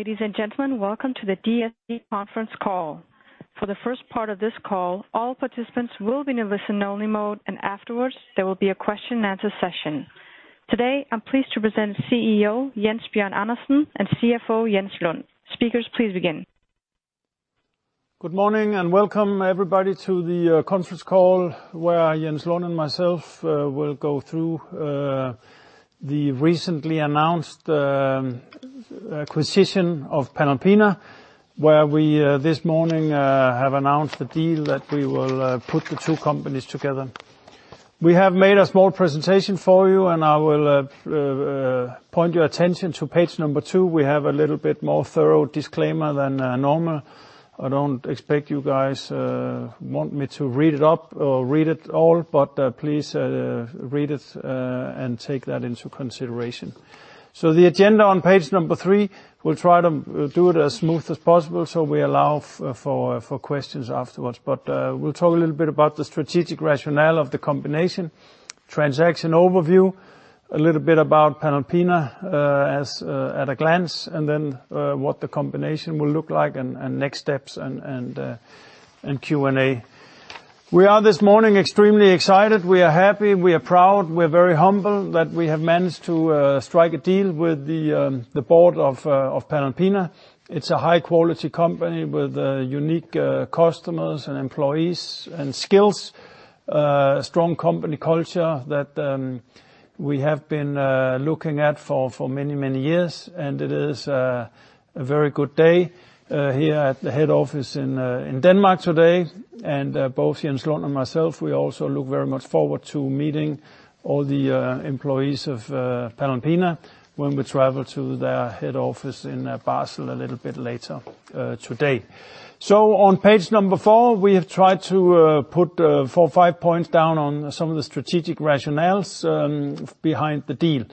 Ladies and gentlemen, welcome to the DSV conference call. For the first part of this call, all participants will be in listen only mode, and afterwards there will be a question and answer session. Today, I'm pleased to present CEO, Jens Bjørn Andersen, and CFO, Jens Lund. Speakers, please begin. Good morning, and welcome everybody to the conference call, where Jens Lund and myself will go through the recently announced acquisition of Panalpina, where we, this morning, have announced the deal that we will put the two companies together. We have made a small presentation for you, and I will point your attention to page number two. We have a little bit more thorough disclaimer than normal. I don't expect you guys want me to read it up or read it all, but please read it and take that into consideration. The agenda on page number three, we'll try to do it as smooth as possible, so we allow for questions afterwards. We'll talk a little bit about the strategic rationale of the combination, transaction overview, a little bit about Panalpina at a glance, and then what the combination will look like, and next steps, and Q&A. We are, this morning, extremely excited. We are happy, we are proud. We are very humble that we have managed to strike a deal with the board of Panalpina. It's a high-quality company with unique customers and employees and skills. A strong company culture that we have been looking at for many, many years. It is a very good day here at the head office in Denmark today. Both Jens Lund and myself, we also look very much forward to meeting all the employees of Panalpina when we travel to their head office in Basel a little bit later today. On page number four, we have tried to put four or five points down on some of the strategic rationales behind the deal.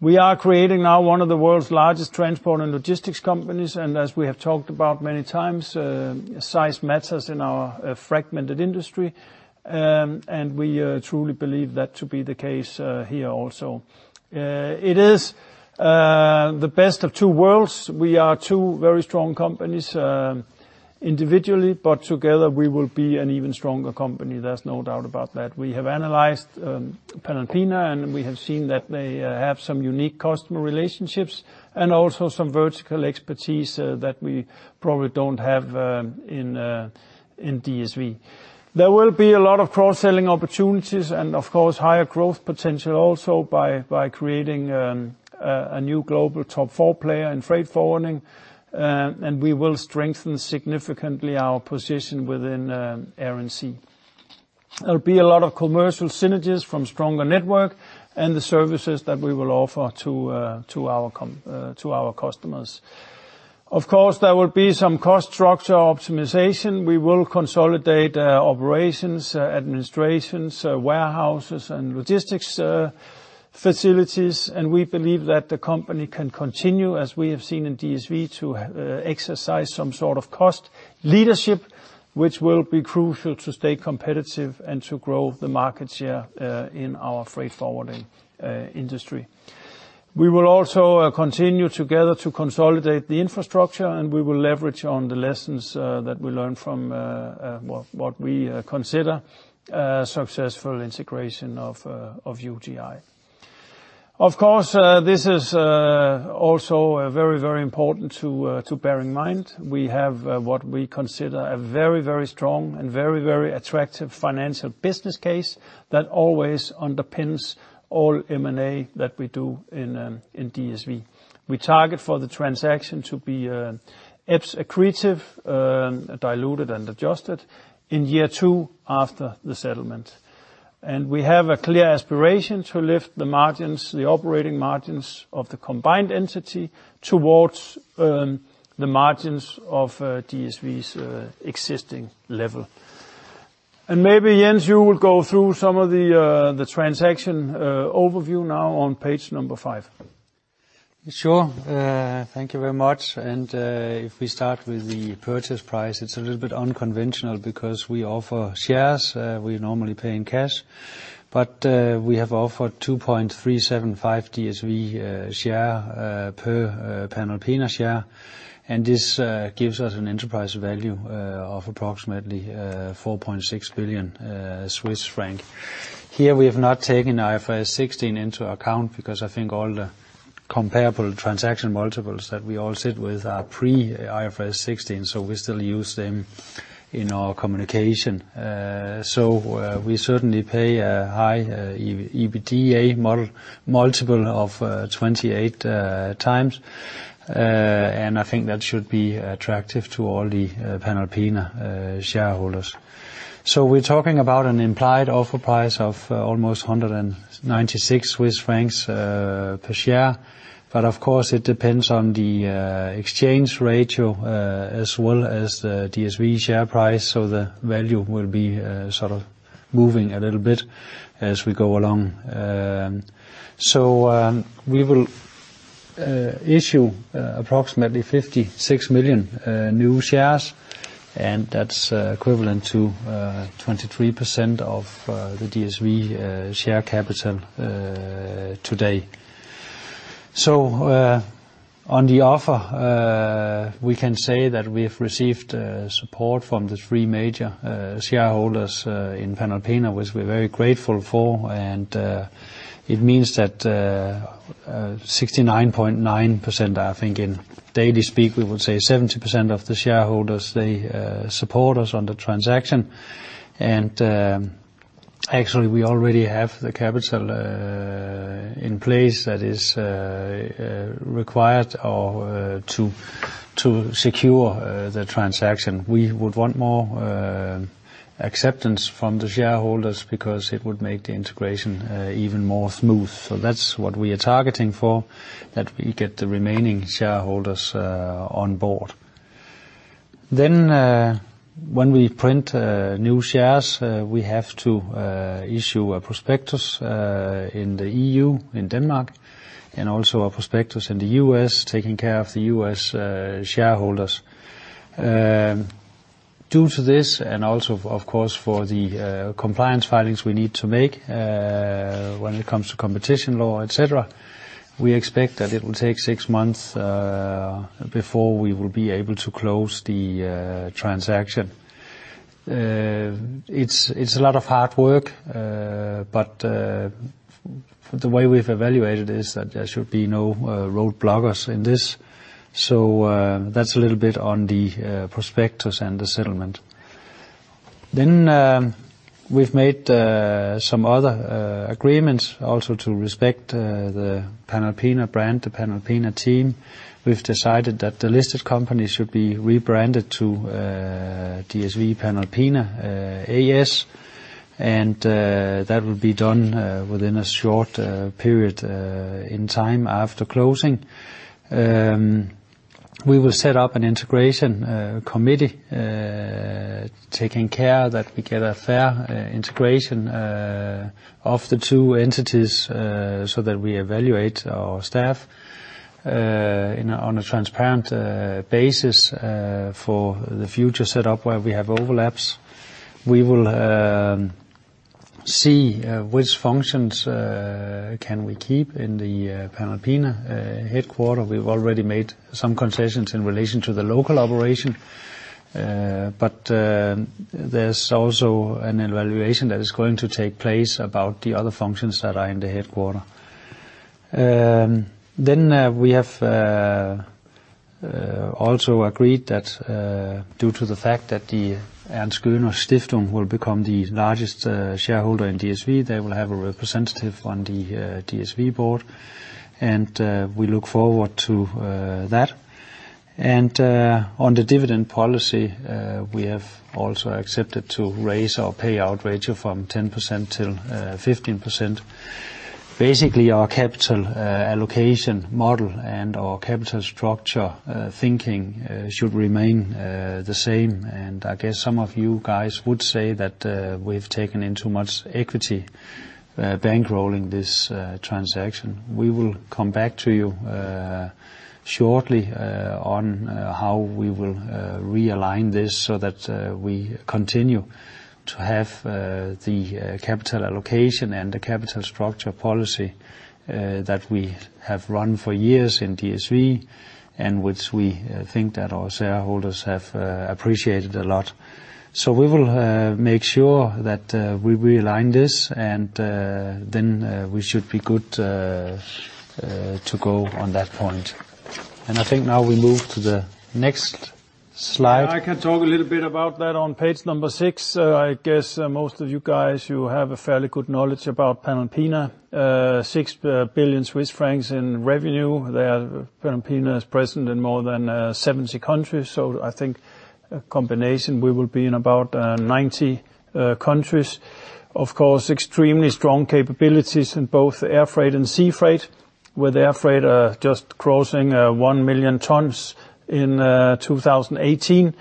We are creating now one of the world's largest transport and logistics companies, and as we have talked about many times, size matters in our fragmented industry. We truly believe that to be the case here also. It is the best of two worlds. We are two very strong companies individually, but together we will be an even stronger company. There's no doubt about that. We have analyzed Panalpina, and we have seen that they have some unique customer relationships and also some vertical expertise that we probably don't have in DSV. There will be a lot of cross-selling opportunities and, of course, higher growth potential also by creating a new global top four player in freight forwarding. We will strengthen significantly our position within Air & Sea. There'll be a lot of commercial synergies from stronger network and the services that we will offer to our customers. Of course, there will be some cost structure optimization. We will consolidate operations, administrations, warehouses, and logistics facilities. We believe that the company can continue, as we have seen in DSV, to exercise some sort of cost leadership, which will be crucial to stay competitive and to grow the market share in our freight forwarding industry. We will also continue together to consolidate the infrastructure, and we will leverage on the lessons that we learned from what we consider successful integration of UTi. Of course, this is also very, very important to bear in mind. We have what we consider a very, very strong and very, very attractive financial business case that always underpins all M&A that we do in DSV. We target for the transaction to be EPS accretive, diluted, and adjusted in year two after the settlement. We have a clear aspiration to lift the margins, the operating margins of the combined entity towards the margins of DSV's existing level. Maybe, Jens, you will go through some of the transaction overview now on page number five. Sure. Thank you very much. If we start with the purchase price, it's a little bit unconventional because we offer shares. We normally pay in cash. We have offered 2.375 DSV share per Panalpina share. This gives us an enterprise value of approximately 4.6 billion Swiss franc. Here we have not taken IFRS 16 into account because I think all the comparable transaction multiples that we all sit with are pre-IFRS 16, so we still use them in our communication. We certainly pay a high EBITDA multiple of 28x. I think that should be attractive to all the Panalpina shareholders. We're talking about an implied offer price of almost 196 Swiss francs per share. Of course it depends on the exchange ratio, as well as the DSV share price. The value will be sort of moving a little bit as we go along. We will issue approximately 56 million new shares. That's equivalent to 23% of the DSV share capital today. On the offer, we can say that we have received support from the three major shareholders in Panalpina, which we're very grateful for. It means that 69.9%, I think in daily speak, we would say 70% of the shareholders, they support us on the transaction. Actually, we already have the capital in place that is required to secure the transaction. We would want more acceptance from the shareholders, because it would make the integration even more smooth. That's what we are targeting for, that we get the remaining shareholders on board. When we print new shares, we have to issue a prospectus in the EU, in Denmark, and also a prospectus in the U.S., taking care of the U.S. shareholders. Of course, for the compliance filings we need to make when it comes to competition law, et cetera, we expect that it will take 6 months before we will be able to close the transaction. It's a lot of hard work, but the way we've evaluated is that there should be no road blockers in this. That's a little bit on the prospectus and the settlement. We've made some other agreements also to respect the Panalpina brand, the Panalpina team. We've decided that the listed company should be rebranded to DSV Panalpina A/S, and that will be done within a short period in time after closing. We will set up an integration committee, taking care that we get a fair integration of the two entities, so that we evaluate our staff on a transparent basis for the future set up where we have overlaps. We will see which functions can we keep in the Panalpina headquarter. We've already made some concessions in relation to the local operation, but there's also an evaluation that is going to take place about the other functions that are in the headquarter. We have also agreed that due to the fact that the Ernst Göhner Stiftung will become the largest shareholder in DSV, they will have a representative on the DSV board, and we look forward to that. On the dividend policy, we have also accepted to raise our payout ratio from 10% to 15%. Basically, our capital allocation model and our capital structure thinking should remain the same, and I guess some of you guys would say that we've taken in too much equity bankrolling this transaction. We will come back to you shortly on how we will realign this so that we continue to have the capital allocation and the capital structure policy that we have run for years in DSV, and which we think that our shareholders have appreciated a lot. We will make sure that we realign this, and then we should be good to go on that point. I think now we move to the next slide. I can talk a little bit about that on page number six. I guess most of you guys, you have a fairly good knowledge about Panalpina. 6 billion Swiss francs in revenue. Panalpina is present in more than 70 countries, so I think combination, we will be in about 90 countries. Of course, extremely strong capabilities in both air freight and sea freight, with air freight just crossing 1 million tons in 2018.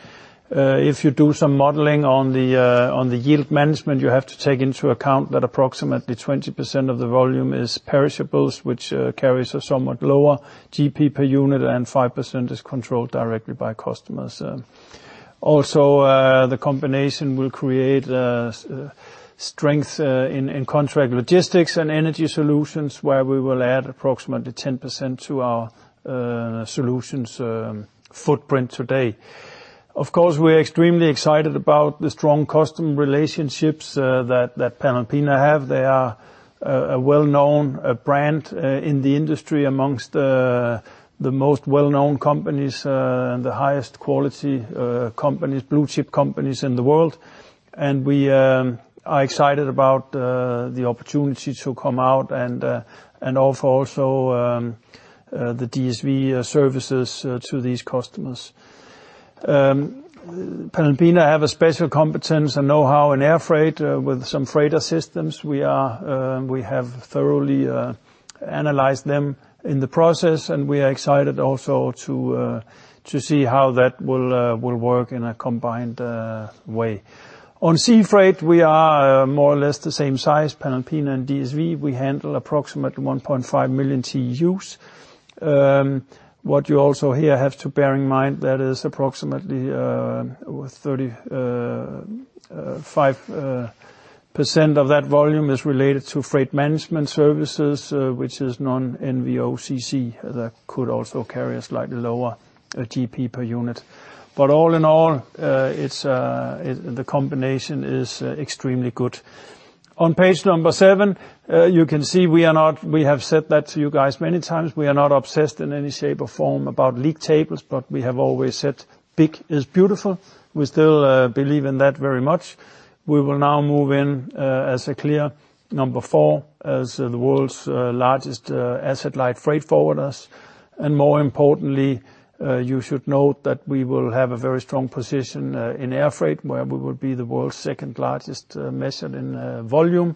If you do some modeling on the yield management, you have to take into account that approximately 20% of the volume is perishables, which carries a somewhat lower GP per unit, and 5% is controlled directly by customers. Also, the combination will create strength in contract logistics and energy solutions, where we will add approximately 10% to our Solutions footprint today. Of course, we're extremely excited about the strong customer relationships that Panalpina have. They are a well-known brand in the industry amongst the most well-known companies and the highest quality companies, blue-chip companies in the world. We are excited about the opportunity to come out and offer also the DSV services to these customers. Panalpina have a special competence and know-how in air freight with some freighter systems. We have thoroughly analyzed them in the process, and we are excited also to see how that will work in a combined way. On sea freight, we are more or less the same size, Panalpina and DSV. We handle approximately 1.5 million TEUs. What you also here have to bear in mind, that is approximately 35% of that volume is related to freight management services, which is non-NVOCC, that could also carry a slightly lower GP per unit. All in all, the combination is extremely good. On page number seven, you can see we have said that to you guys many times, we are not obsessed in any shape or form about league tables, we have always said big is beautiful. We still believe in that very much. We will now move in as a clear number four as the world's largest asset-light freight forwarders. More importantly, you should note that we will have a very strong position in air freight, where we will be the world's second-largest measured in volume,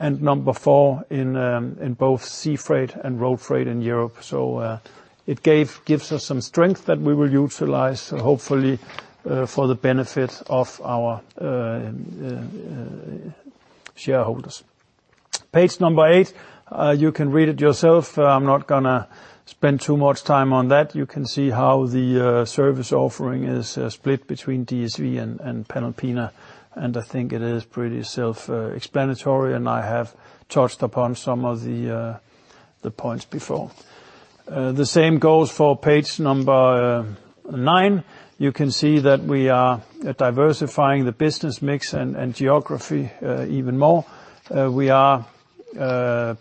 and number four in both sea freight and road freight in Europe. It gives us some strength that we will utilize, hopefully, for the benefit of our shareholders. Page number eight, you can read it yourself. I'm not going to spend too much time on that. You can see how the service offering is split between DSV and Panalpina, I think it is pretty self-explanatory, I have touched upon some of the points before. The same goes for page number nine. You can see that we are diversifying the business mix and geography even more. We are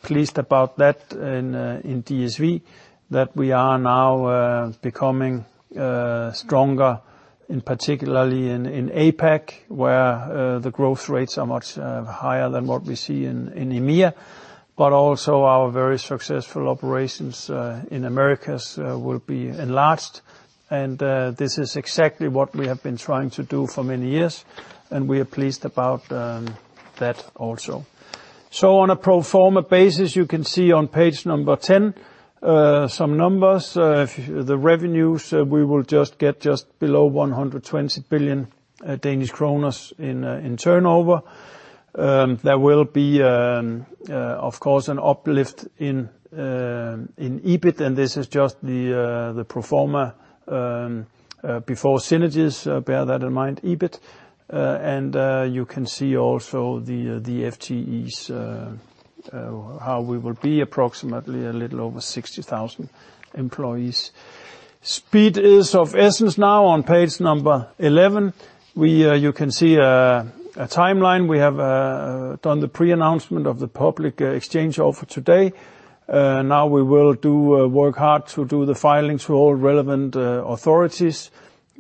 pleased about that in DSV, that we are now becoming stronger, in particularly in APAC, where the growth rates are much higher than what we see in EMEA. Also our very successful operations in Americas will be enlarged, this is exactly what we have been trying to do for many years, we are pleased about that also. On a pro forma basis, you can see on page number 10 some numbers. The revenues, we will get just below 120 billion Danish kroner in turnover. There will be, of course, an uplift in EBIT, this is just the pro forma before synergies. Bear that in mind, EBIT. You can see also the FTEs, how we will be approximately a little over 60,000 employees. Speed is of essence now on page number 11. You can see a timeline. We have done the pre-announcement of the public exchange offer today. We will work hard to do the filings for all relevant authorities.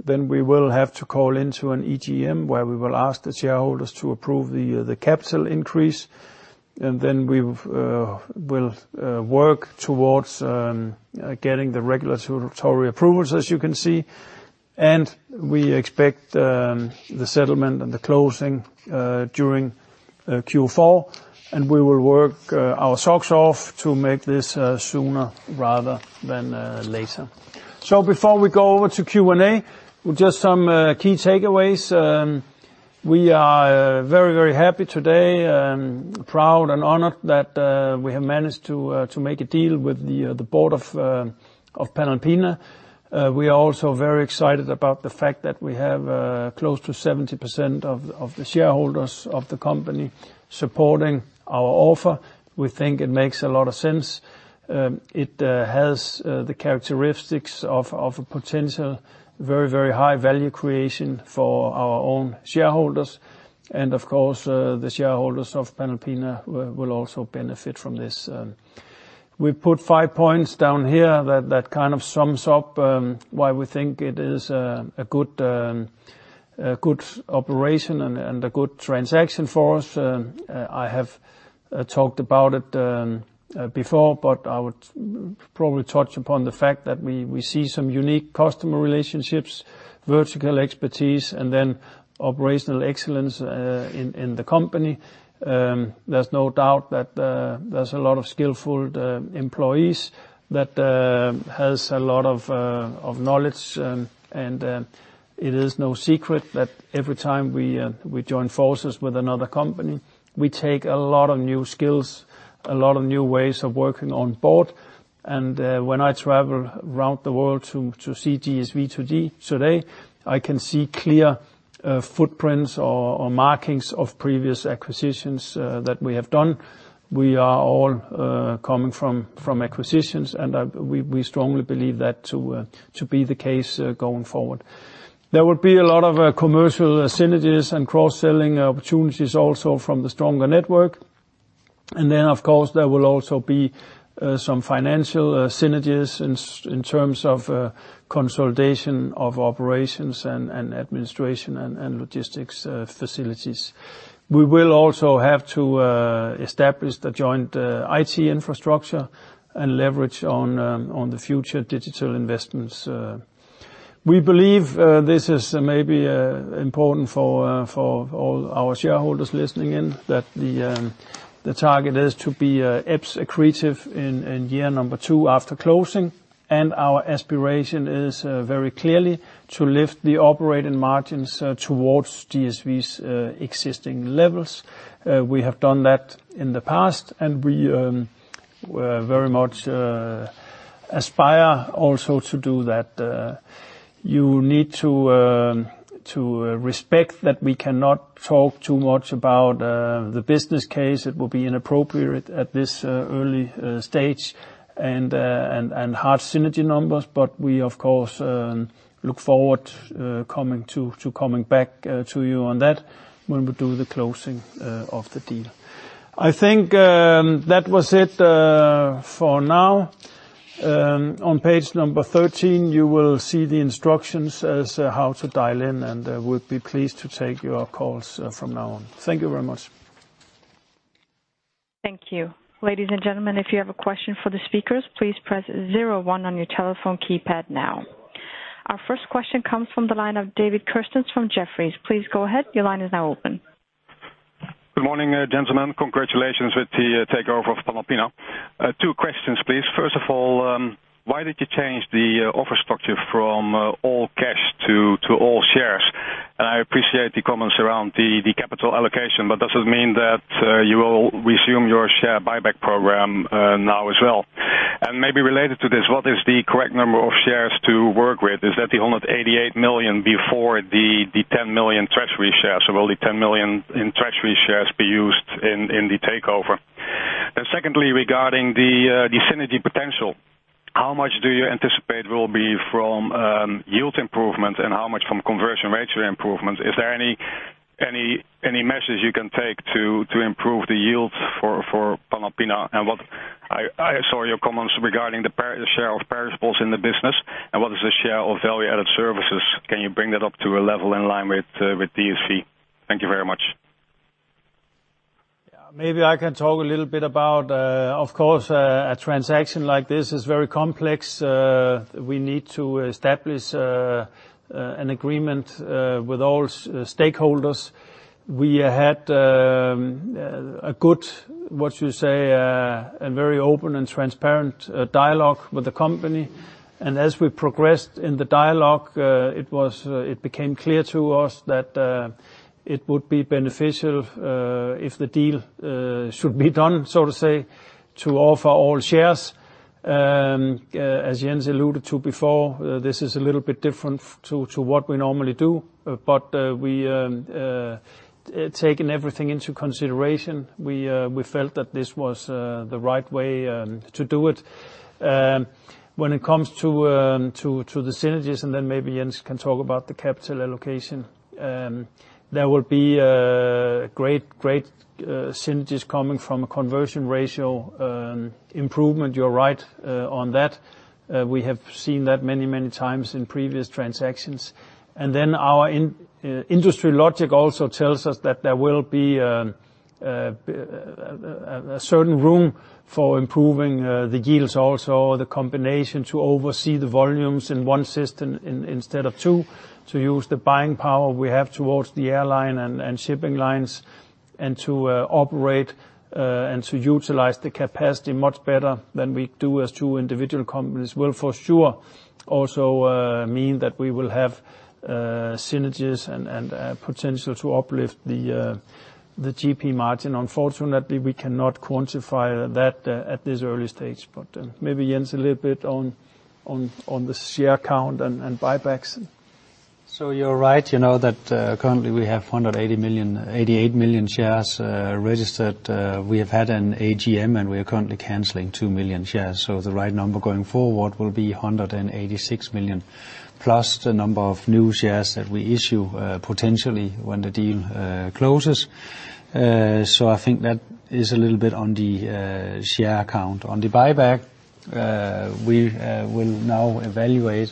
We will have to call into an EGM where we will ask the shareholders to approve the capital increase. We will work towards getting the regulatory approvals, as you can see. We expect the settlement and the closing during Q4, we will work our socks off to make this sooner rather than later. Before we go over to Q&A, just some key takeaways. We are very, very happy today, proud and honored that we have managed to make a deal with the board of Panalpina. We are also very excited about the fact that we have close to 70% of the shareholders of the company supporting our offer. We think it makes a lot of sense. It has the characteristics of a potential very, very high value creation for our own shareholders. Of course, the shareholders of Panalpina will also benefit from this. We put five points down here that kind of sums up why we think it is a good operation and a good transaction for us. I have talked about it before, but I would probably touch upon the fact that we see some unique customer relationships, vertical expertise, and then operational excellence in the company. There's no doubt that there's a lot of skillful employees that has a lot of knowledge, and it is no secret that every time we join forces with another company, we take a lot of new skills, a lot of new ways of working on board. When I travel around the world to see DSV today, I can see clear footprints or markings of previous acquisitions that we have done. We are all coming from acquisitions, and we strongly believe that to be the case going forward. There will be a lot of commercial synergies and cross-selling opportunities also from the stronger network. Of course, there will also be some financial synergies in terms of consolidation of operations and administration and logistics facilities. We will also have to establish the joint IT infrastructure and leverage on the future digital investments. We believe this is maybe important for all our shareholders listening in, that the target is to be EPS accretive in year number two after closing. Our aspiration is very clearly to lift the operating margins towards DSV's existing levels. We have done that in the past, and We very much aspire also to do that. You need to respect that we cannot talk too much about the business case. It will be inappropriate at this early stage and hard synergy numbers, but we of course look forward to coming back to you on that when we do the closing of the deal. I think that was it for now. On page number 13, you will see the instructions as how to dial in. Would be pleased to take your calls from now on. Thank you very much. Thank you. Ladies and gentlemen, if you have a question for the speakers, please press zero one on your telephone keypad now. Our first question comes from the line of David Kerstens from Jefferies. Please go ahead. Your line is now open. Good morning, gentlemen. Congratulations with the takeover of Panalpina. Two questions, please. First of all, why did you change the offer structure from all cash to all shares? I appreciate the comments around the capital allocation, but does it mean that you will resume your share buyback program now as well? Maybe related to this, what is the correct number of shares to work with? Is that the 188 million before the 10 million treasury shares, or will the 10 million in treasury shares be used in the takeover? Secondly, regarding the synergy potential, how much do you anticipate will be from yield improvement and how much from conversion ratio improvement? Is there any measures you can take to improve the yields for Panalpina? I saw your comments regarding the share of perishables in the business and what is the share of value-added services. Can you bring that up to a level in line with DSV? Thank you very much. Maybe I can talk a little bit about, of course, a transaction like this is very complex. We need to establish an agreement with all stakeholders. We had a good, what you say, a very open and transparent dialogue with the company. As we progressed in the dialogue, it became clear to us that it would be beneficial if the deal should be done, so to say, to offer all shares. As Jens alluded to before, this is a little bit different to what we normally do. Taking everything into consideration, we felt that this was the right way to do it. When it comes to the synergies and then maybe Jens can talk about the capital allocation. There will be great synergies coming from a conversion ratio improvement. You're right on that. We have seen that many times in previous transactions. Our industry logic also tells us that there will be a certain room for improving the yields also, the combination to oversee the volumes in one system instead of two, to use the buying power we have towards the airline and shipping lines, and to operate and to utilize the capacity much better than we do as two individual companies will for sure also mean that we will have synergies and potential to uplift the GP margin. Unfortunately, we cannot quantify that at this early stage, but maybe Jens a little bit on the share count and buybacks. You're right, you know that currently we have 188 million shares registered. We have had an AGM, and we are currently canceling 2 million shares. The right number going forward will be 186 million, plus the number of new shares that we issue, potentially when the deal closes. I think that is a little bit on the share count. On the buyback, we will now evaluate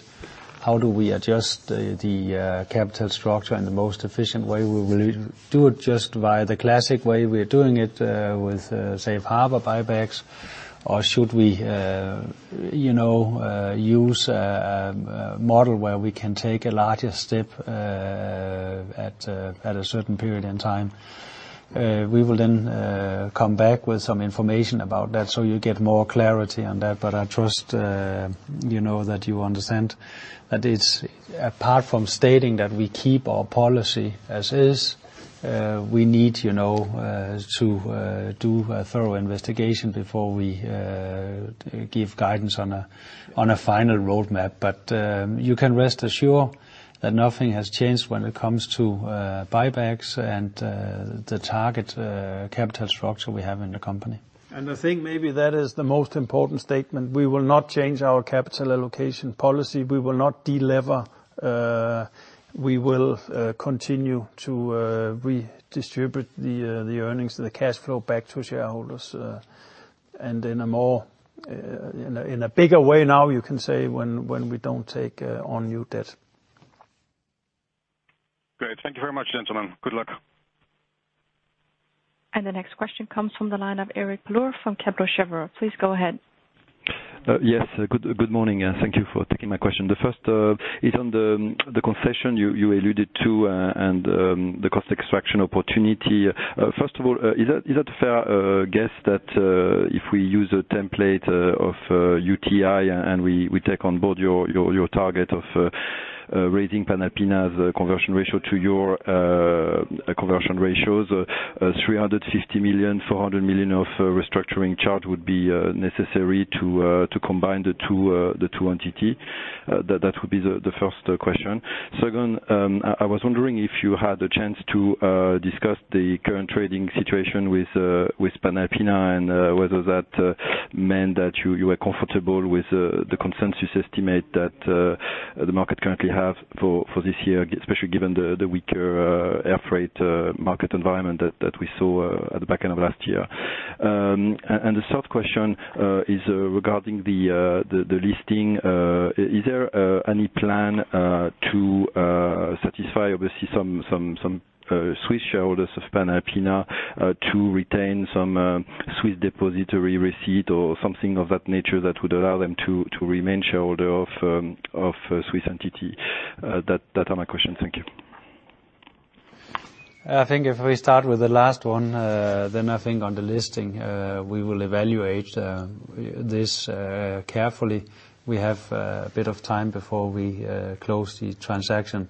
how do we adjust the capital structure in the most efficient way. We will do it just via the classic way we're doing it with safe harbor buybacks. Or should we use a model where we can take a larger step at a certain period in time? We will come back with some information about that so you get more clarity on that. I trust that you understand that apart from stating that we keep our policy as is, we need to do a thorough investigation before we give guidance on a final roadmap. You can rest assure that nothing has changed when it comes to buybacks and the target capital structure we have in the company. I think maybe that is the most important statement. We will not change our capital allocation policy. We will not de-lever. We will continue to redistribute the earnings and the cash flow back to shareholders. In a bigger way now, you can say, when we don't take on new debt. Great. Thank you very much, gentlemen. Good luck. The next question comes from the line of Eric Plour from Kepler Cheuvreux. Please go ahead. Yes. Good morning, and thank you for taking my question. The first is on the concession you alluded to and the cost extraction opportunity. First of all, is that a fair guess that if we use a template of UTi and we take on board your target of raising Panalpina's conversion ratio to your conversion ratios, 350 million, 400 million of restructuring charge would be necessary to combine the two entities. That would be the first question. Second, I was wondering if you had the chance to discuss the current trading situation with Panalpina, and whether that meant that you are comfortable with the consensus estimate that the market currently has for this year, especially given the weaker air freight market environment that we saw at the back end of last year. The third question is regarding the listing. Is there any plan to satisfy obviously some Swiss shareholders of Panalpina to retain some Swiss depository receipt or something of that nature that would allow them to remain shareholder of Swiss entity? That are my question. Thank you. I think if we start with the last one, then I think on the listing, we will evaluate this carefully. We have a bit of time before we close the transaction.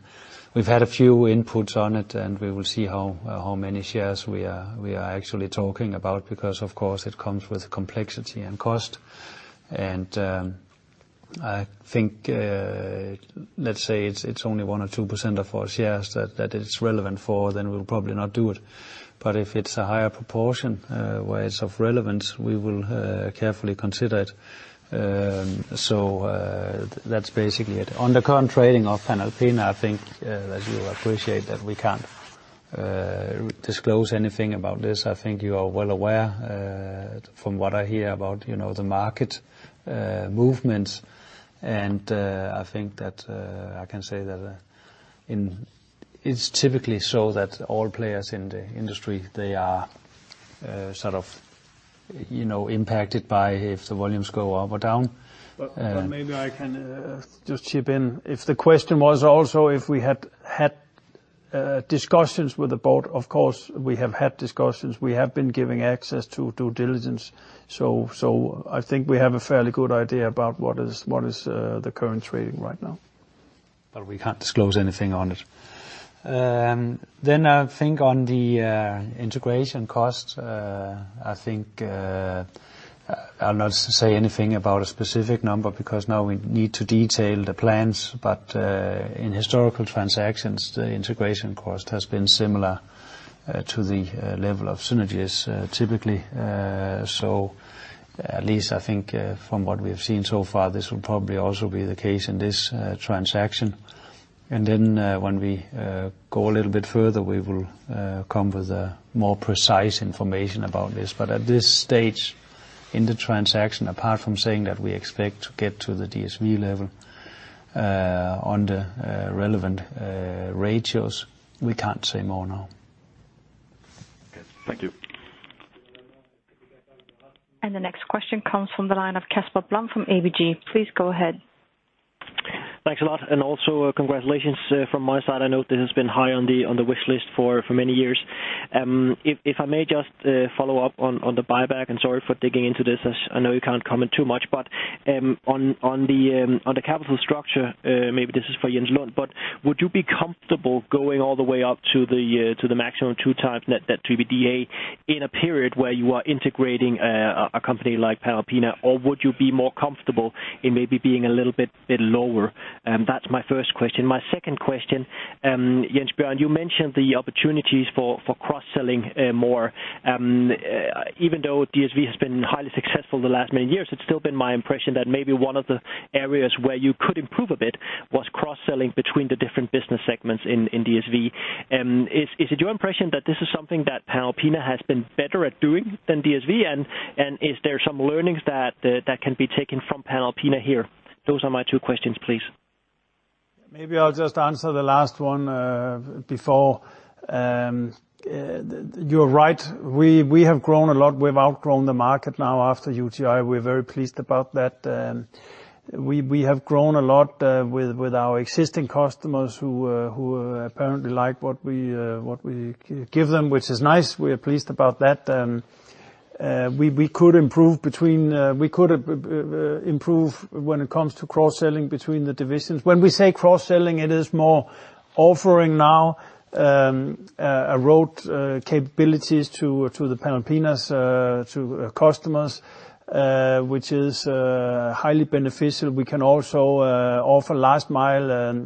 We've had a few inputs on it, and we will see how many shares we are actually talking about, because, of course, it comes with complexity and cost. I think, let's say it's only 1% or 2% of our shares that it's relevant for, then we'll probably not do it. If it's a higher proportion where it's of relevance, we will carefully consider it. That's basically it. On the current trading of Panalpina, I think that you appreciate that we can't disclose anything about this. I think you are well aware from what I hear about the market movements. I think that I can say that it's typically so that all players in the industry, they are sort of impacted by if the volumes go up or down. Maybe I can just chip in. If the question was also if we had discussions with the board, of course, we have had discussions. We have been giving access to due diligence. I think we have a fairly good idea about what is the current trading right now. We can't disclose anything on it. I think on the integration cost, I think I'll not say anything about a specific number because now we need to detail the plans. In historical transactions, the integration cost has been similar to the level of synergies, typically. At least I think from what we have seen so far, this will probably also be the case in this transaction. Then when we go a little bit further, we will come with a more precise information about this. At this stage in the transaction, apart from saying that we expect to get to the DSV level on the relevant ratios, we can't say more now. Okay. Thank you. The next question comes from the line of Casper Blom from ABG. Please go ahead. Thanks a lot and also congratulations from my side. I know this has been high on the wish list for many years. If I may just follow up on the buyback, and sorry for digging into this, as I know you can't comment too much, but on the capital structure, maybe this is for Jens Lund, but would you be comfortable going all the way up to the maximum 2x net debt to EBITDA in a period where you are integrating a company like Panalpina? Would you be more comfortable in maybe being a little bit lower? That's my first question. My second question, Jens Bjorn, you mentioned the opportunities for cross-selling more. Even though DSV has been highly successful the last many years, it's still been my impression that maybe one of the areas where you could improve a bit was cross-selling between the different business segments in DSV. Is it your impression that this is something that Panalpina has been better at doing than DSV? Is there some learnings that can be taken from Panalpina here? Those are my two questions, please. Maybe I'll just answer the last one before. You're right, we have grown a lot. We've outgrown the market now after UTi. We're very pleased about that. We have grown a lot with our existing customers who apparently like what we give them, which is nice. We are pleased about that. We could improve when it comes to cross-selling between the divisions. When we say cross-selling, it is more offering now a Road capabilities to the Panalpina's customers, which is highly beneficial. We can also offer last-mile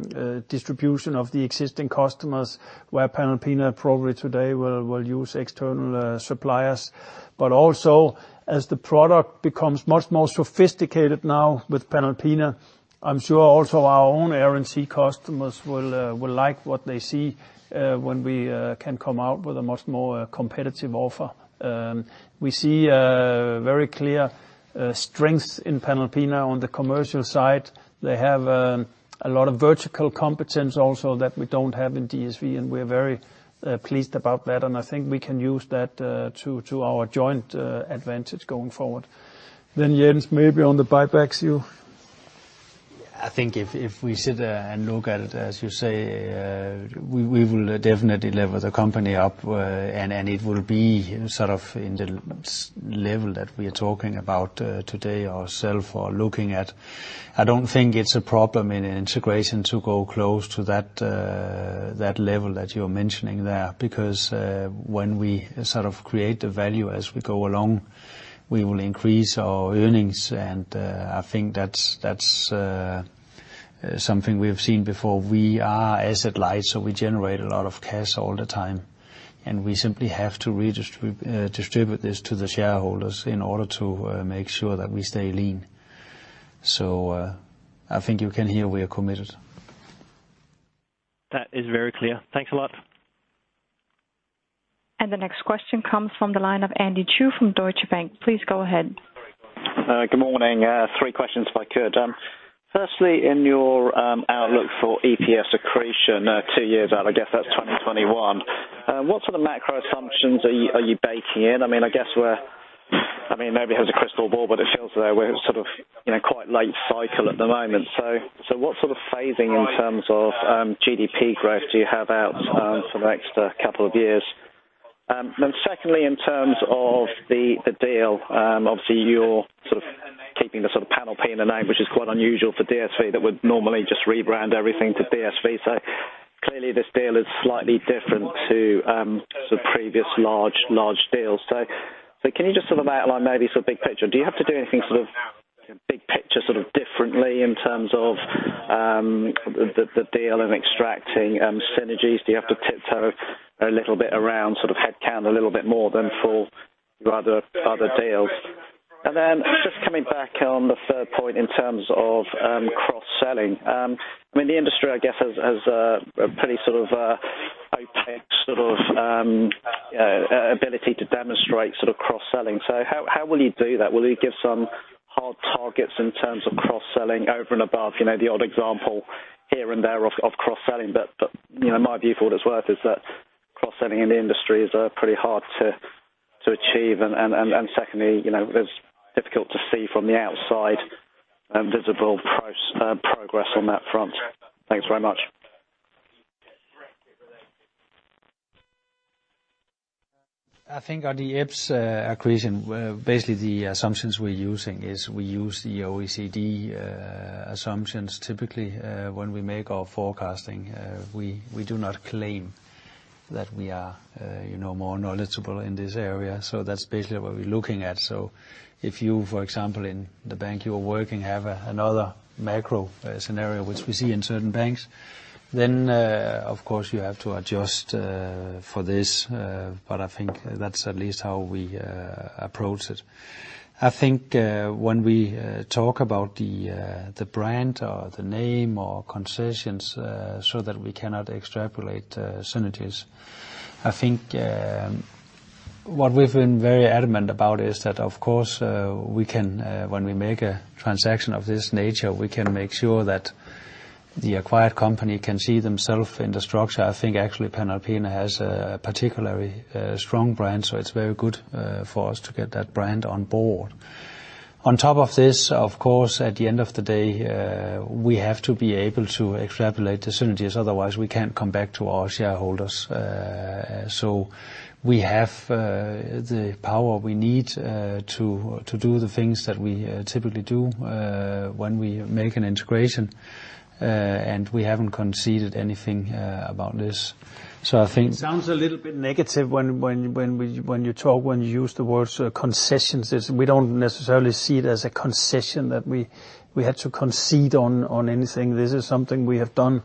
distribution of the existing customers, where Panalpina probably today will use external suppliers. Also, as the product becomes much more sophisticated now with Panalpina, I'm sure also our own Air & Sea customers will like what they see when we can come out with a much more competitive offer. We see a very clear strength in Panalpina on the commercial side. They have a lot of vertical competence also that we don't have in DSV, and we're very pleased about that, and I think we can use that to our joint advantage going forward. Jens, maybe on the buybacks, you I think if we sit there and look at it, as you say, we will definitely level the company up, and it will be in the level that we are talking about today ourself or looking at. I don't think it's a problem in integration to go close to that level that you're mentioning there. When we create the value as we go along, we will increase our earnings, and I think that's something we have seen before. We are asset light, so we generate a lot of cash all the time, and we simply have to redistribute this to the shareholders in order to make sure that we stay lean. I think you can hear we are committed. That is very clear. Thanks a lot. The next question comes from the line of Andy Chu from Deutsche Bank. Please go ahead. Sorry. Good morning. Three questions if I could. Firstly, in your outlook for EPS accretion two years out, I guess that's 2021. What sort of macro assumptions are you baking in? Nobody has a crystal ball, but it feels though we're in a quite late cycle at the moment. What sort of phasing in terms of GDP growth do you have out for the next couple of years? Secondly, in terms of the deal. Obviously, you're keeping the Panalpina name, which is quite unusual for DSV. They would normally just rebrand everything to DSV. Clearly this deal is slightly different to some previous large deals. Can you just outline maybe sort of big picture? Do you have to do anything big picture differently in terms of the deal and extracting synergies? Do you have to tiptoe a little bit around headcount a little bit more than for other deals? Just coming back on the third point in terms of cross-selling. The industry, I guess, has a pretty opaque ability to demonstrate cross-selling. How will you do that? Will you give some hard targets in terms of cross-selling over and above the odd example here and there of cross-selling? My view, for what it's worth, is that cross-selling in the industry is pretty hard to achieve, and secondly, it's difficult to see from the outside visible progress on that front. Thanks very much. I think on the EPS accretion, basically the assumptions we're using is we use the OECD assumptions. Typically when we make our forecasting we do not claim that we are more knowledgeable in this area. That's basically what we're looking at. If you, for example, in the bank you are working, have another macro scenario, which we see in certain banks, then of course you have to adjust for this. I think that's at least how we approach it. I think when we talk about the brand or the name or concessions so that we cannot extrapolate synergies, I think what we've been very adamant about is that, of course, when we make a transaction of this nature, we can make sure that the acquired company can see themself in the structure. I think actually Panalpina has a particularly strong brand, so it's very good for us to get that brand on board. On top of this, of course, at the end of the day, we have to be able to extrapolate the synergies, otherwise we can't come back to our shareholders. We have the power we need to do the things that we typically do when we make an integration, and we haven't conceded anything about this. It sounds a little bit negative when you use the words concessions. We don't necessarily see it as a concession that we had to concede on anything. This is something we have done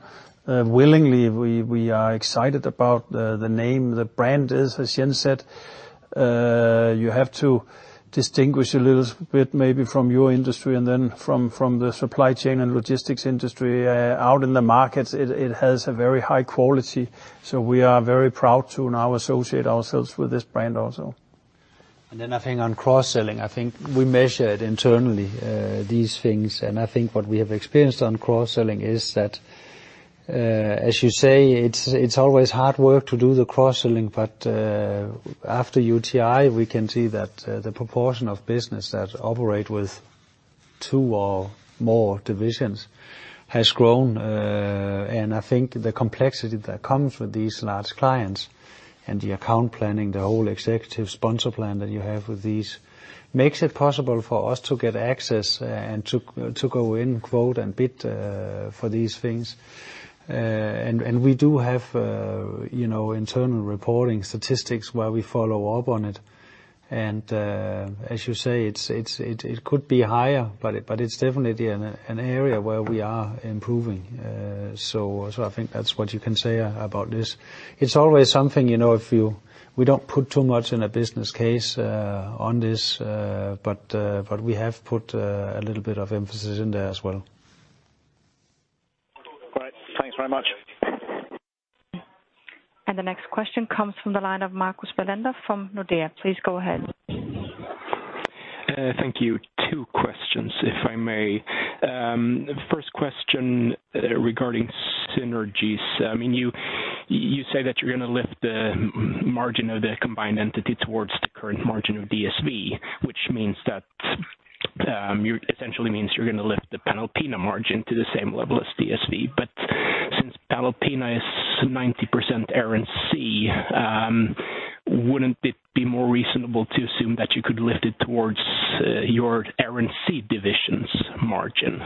willingly. We are excited about the name, the brand is, as Jens said. You have to distinguish a little bit maybe from your industry and then from the supply chain and logistics industry. Out in the markets, it has a very high quality, so we are very proud to now associate ourselves with this brand also. I think on cross-selling, I think we measure it internally these things. I think what we have experienced on cross-selling is that, as you say, it's always hard work to do the cross-selling. After UTi, we can see that the proportion of business that operate with two or more divisions has grown. I think the complexity that comes with these large clients and the account planning, the whole executive sponsor plan that you have with these, makes it possible for us to get access and to go in, quote, and bid for these things. We do have internal reporting statistics where we follow up on it. As you say, it could be higher, but it's definitely an area where we are improving. I think that's what you can say about this. It's always something, we don't put too much in a business case on this, but we have put a little bit of emphasis in there as well. Right. Thanks very much. The next question comes from the line of Marcus Walenda from Nordea. Please go ahead. Thank you. Two questions, if I may. First question regarding synergies. You say that you're going to lift the margin of the combined entity towards the current margin of DSV, which essentially means you're going to lift the Panalpina margin to the same level as DSV. Since Panalpina is 90% RNC, wouldn't it be more reasonable to assume that you could lift it towards your RNC division's margin?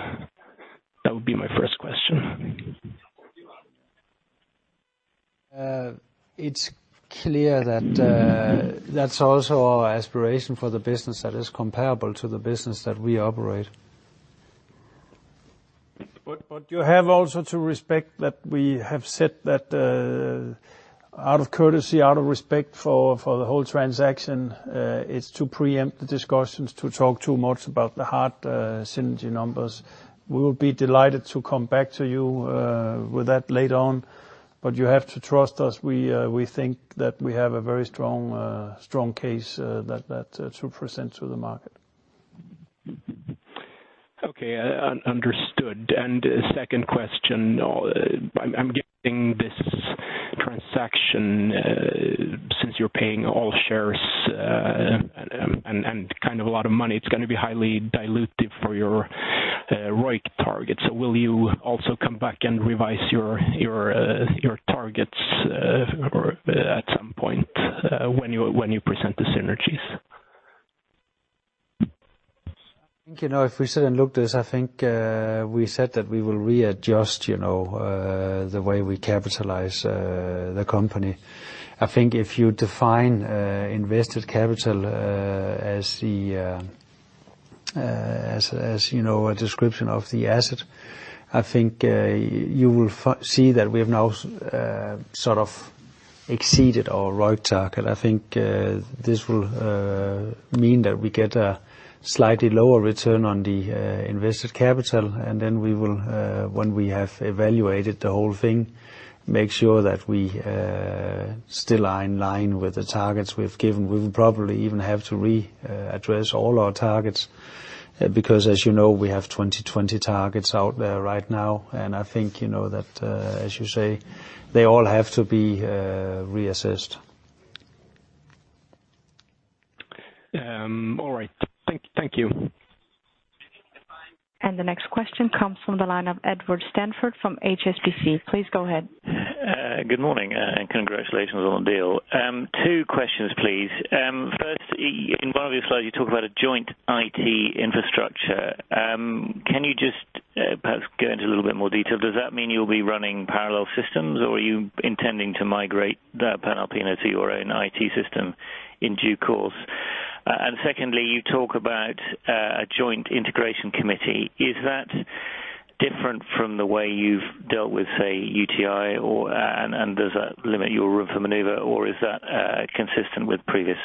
That would be my first question. It's clear that's also our aspiration for the business that is comparable to the business that we operate. You have also to respect that we have said that out of courtesy, out of respect for the whole transaction, it's to preempt the discussions to talk too much about the hard synergy numbers. We will be delighted to come back to you with that later on, you have to trust us. We think that we have a very strong case to present to the market. Okay, understood. Second question. I'm getting this transaction, since you're paying all shares and kind of a lot of money, it's going to be highly dilutive for your ROIC target. Will you also come back and revise your targets at some point when you present the synergies? If we sit and look this, I think we said that we will readjust the way we capitalize the company. I think if you define invested capital as a description of the asset, I think you will see that we have now sort of exceeded our ROIC target. I think this will mean that we get a slightly lower return on the invested capital, and then when we have evaluated the whole thing, make sure that we still are in line with the targets we've given. We will probably even have to re-address all our targets because, as you know, we have 2020 targets out there right now. I think that, as you say, they all have to be reassessed. All right. Thank you. The next question comes from the line of Edward Stanford from HSBC. Please go ahead. Good morning, congratulations on the deal. Two questions, please. First, in one of your slides, you talk about a joint IT infrastructure. Can you just perhaps go into a little bit more detail? Does that mean you'll be running parallel systems, or are you intending to migrate Panalpina to your own IT system in due course? Secondly, you talk about a joint integration committee. Is that different from the way you've dealt with, say, UTi, and does that limit your room for maneuver or is that consistent with previous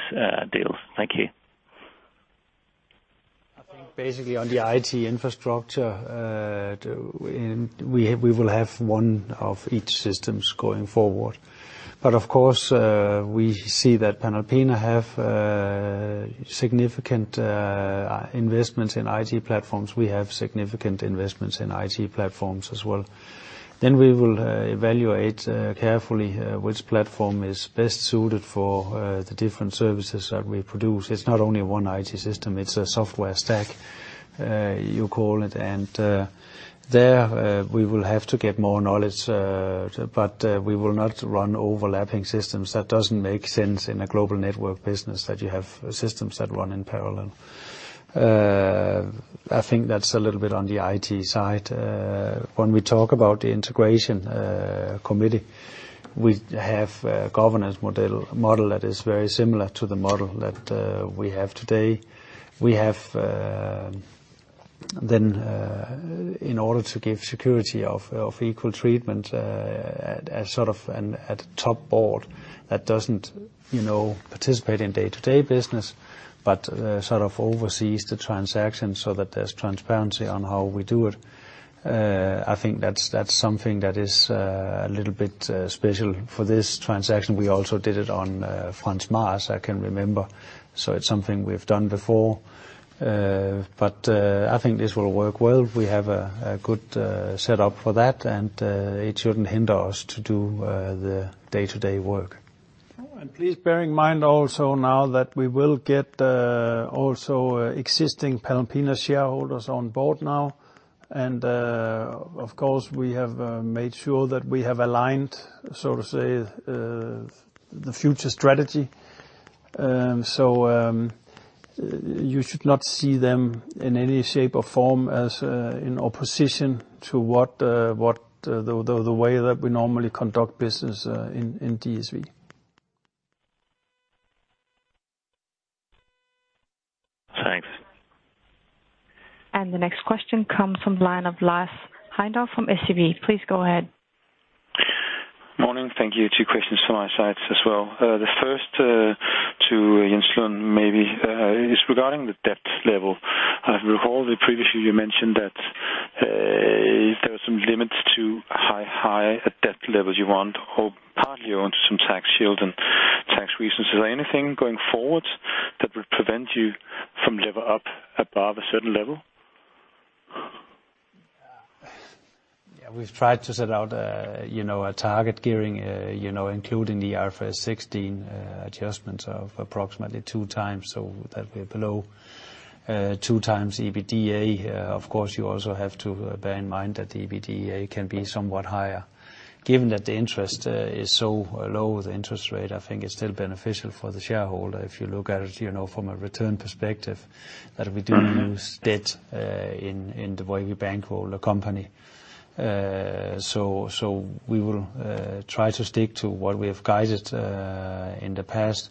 deals? Thank you. I think basically on the IT infrastructure, we will have one of each systems going forward. But of course, we see that Panalpina have significant investments in IT platforms. We have significant investments in IT platforms as well. Then we will evaluate carefully which platform is best suited for the different services that we produce. It's not only one IT system, it's a software stack, you call it. There, we will have to get more knowledge, but we will not run overlapping systems. That doesn't make sense in a global network business that you have systems that run in parallel. I think that's a little bit on the IT side. When we talk about the integration committee, we have a governance model that is very similar to the model that we have today. We have, in order to give security of equal treatment at top board, that doesn't participate in day-to-day business, but sort of oversees the transaction so that there's transparency on how we do it. I think that's something that is a little bit special for this transaction. We also did it on Frans Maas, I can remember. It's something we've done before, but I think this will work well. We have a good set up for that, and it shouldn't hinder us to do the day-to-day work. Please bear in mind also now that we will get also existing Panalpina shareholders on board now. Of course, we have made sure that we have aligned, so to say, the future strategy. You should not see them in any shape or form as in opposition to the way that we normally conduct business in DSV. Thanks. The next question comes from line of Lars Heindorff from SEB. Please go ahead. Morning. Thank you. Two questions from my side as well. The first to Jens Lund maybe, is regarding the debt level. I recall that previously you mentioned that there are some limits to how high a debt level you want, or partly on some tax shield and tax reasons. Is there anything going forward that would prevent you from lever up above a certain level? Yeah. We've tried to set out a target gearing, including the IFRS 16 adjustments of approximately two times. That'll be below two times EBITDA. Of course, you also have to bear in mind that the EBITDA can be somewhat higher. Given that the interest is so low, the interest rate, I think it's still beneficial for the shareholder, if you look at it from a return perspective, that we don't use debt in the way we bankroll the company. We will try to stick to what we have guided in the past,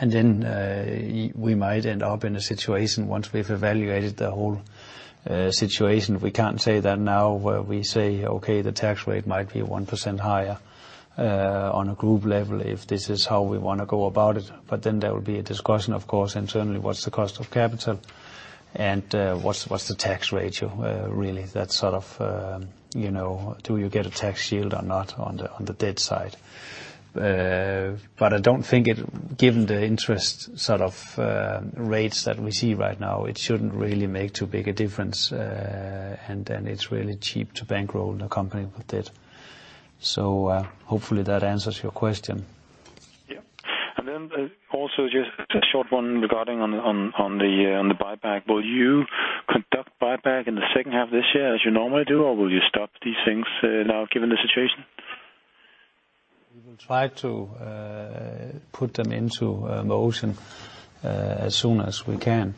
and then we might end up in a situation once we've evaluated the whole situation. We can't say that now, where we say, okay, the tax rate might be 1% higher on a group level if this is how we want to go about it. There will be a discussion, of course, internally, what's the cost of capital, and what's the tax rate, really? That sort of, do you get a tax shield or not on the debt side? I don't think, given the interest rates that we see right now, it shouldn't really make too big a difference. It's really cheap to bankroll the company with debt. Hopefully that answers your question. Yeah. Also just a short one regarding on the buyback. Will you conduct buyback in the second half of this year as you normally do, or will you stop these things now given the situation? We will try to put them into motion as soon as we can.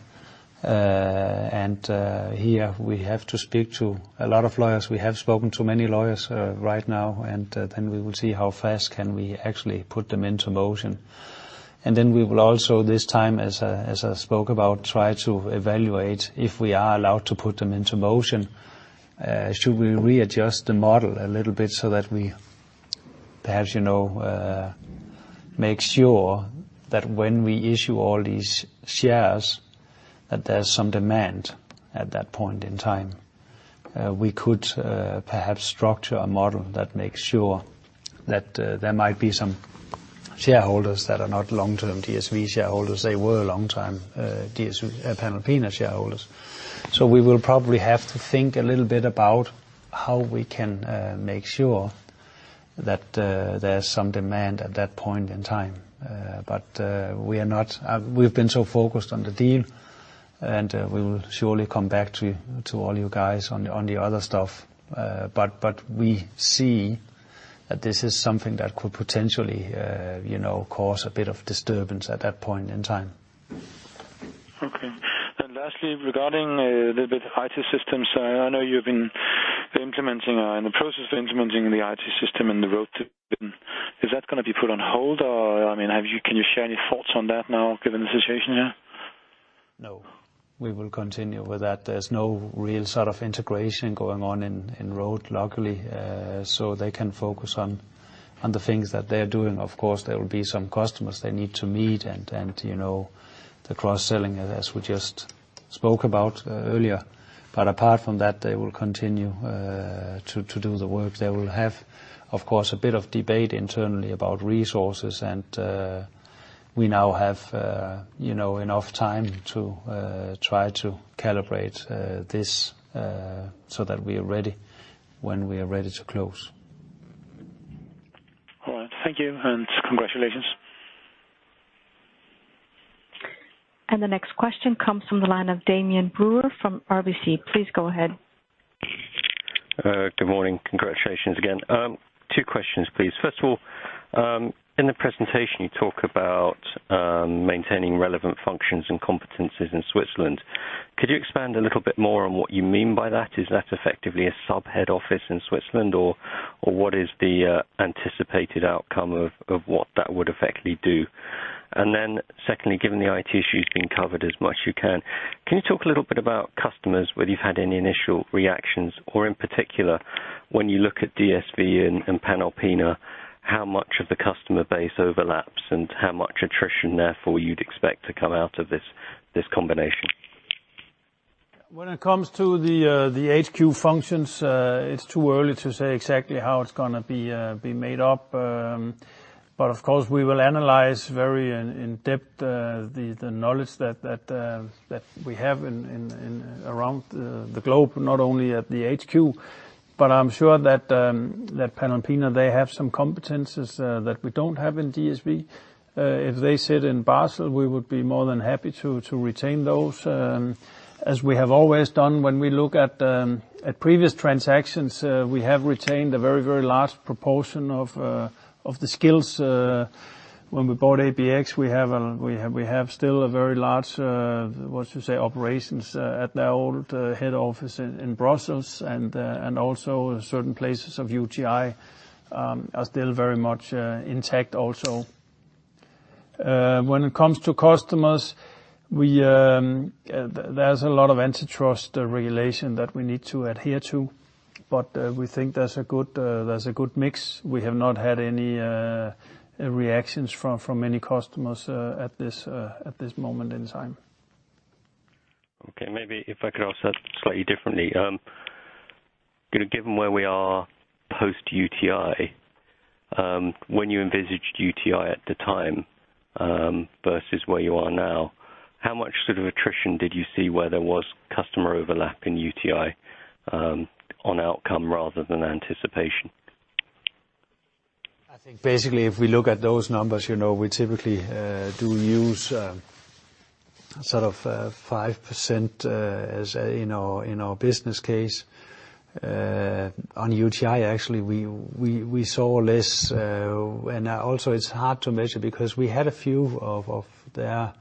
Here we have to speak to a lot of lawyers. We have spoken to many lawyers right now, then we will see how fast can we actually put them into motion. Then we will also, this time, as I spoke about, try to evaluate if we are allowed to put them into motion. Should we readjust the model a little bit so that we perhaps make sure that when we issue all these shares, that there's some demand at that point in time? We could perhaps structure a model that makes sure that there might be some shareholders that are not long-term DSV shareholders. They were longtime Panalpina shareholders. We will probably have to think a little bit about how we can make sure that there's some demand at that point in time. We've been so focused on the deal, we will surely come back to all you guys on the other stuff. We see that this is something that could potentially cause a bit of disturbance at that point in time. Okay. Lastly, regarding a little bit IT systems. I know you've been in the process of implementing the IT system and the road to it. Is that going to be put on hold or can you share any thoughts on that now, given the situation here? No. We will continue with that. There's no real sort of integration going on in Road, luckily. They can focus on the things that they're doing. Of course, there will be some customers they need to meet, and the cross-selling, as we just spoke about earlier. Apart from that, they will continue to do the work. They will have, of course, a bit of debate internally about resources and we now have enough time to try to calibrate this so that we are ready when we are ready to close. All right. Thank you and congratulations. The next question comes from the line of Damian Brewer from RBC. Please go ahead. Good morning. Congratulations again. Two questions, please. First of all, in the presentation, you talk about maintaining relevant functions and competencies in Switzerland. Could you expand a little bit more on what you mean by that? Is that effectively a sub-head office in Switzerland, or what is the anticipated outcome of what that would effectively do? Secondly, given the IT issue's been covered as much as you can you talk a little bit about customers, whether you've had any initial reactions or, in particular, when you look at DSV and Panalpina, how much of the customer base overlaps and how much attrition therefore you'd expect to come out of this combination? When it comes to the HQ functions, it's too early to say exactly how it's going to be made up. Of course, we will analyze very in depth the knowledge that we have around the globe, not only at the HQ. I'm sure that Panalpina, they have some competencies that we don't have in DSV. If they sit in Basel, we would be more than happy to retain those, as we have always done. When we look at previous transactions, we have retained a very large proportion of the skills. When we bought ABX, we have still a very large, what you say, operations at their old head office in Brussels, and also certain places of UTi are still very much intact also. When it comes to customers, there's a lot of antitrust regulation that we need to adhere to, we think there's a good mix. We have not had any reactions from any customers at this moment in time. Okay. Maybe if I could ask that slightly differently. Given where we are post-UTi, when you envisaged UTi at the time versus where you are now, how much attrition did you see where there was customer overlap in UTi, on outcome rather than anticipation? I think basically, if we look at those numbers, we typically do use 5% in our business case. On UTi, actually, we saw less. Also it's hard to measure because we had a few of their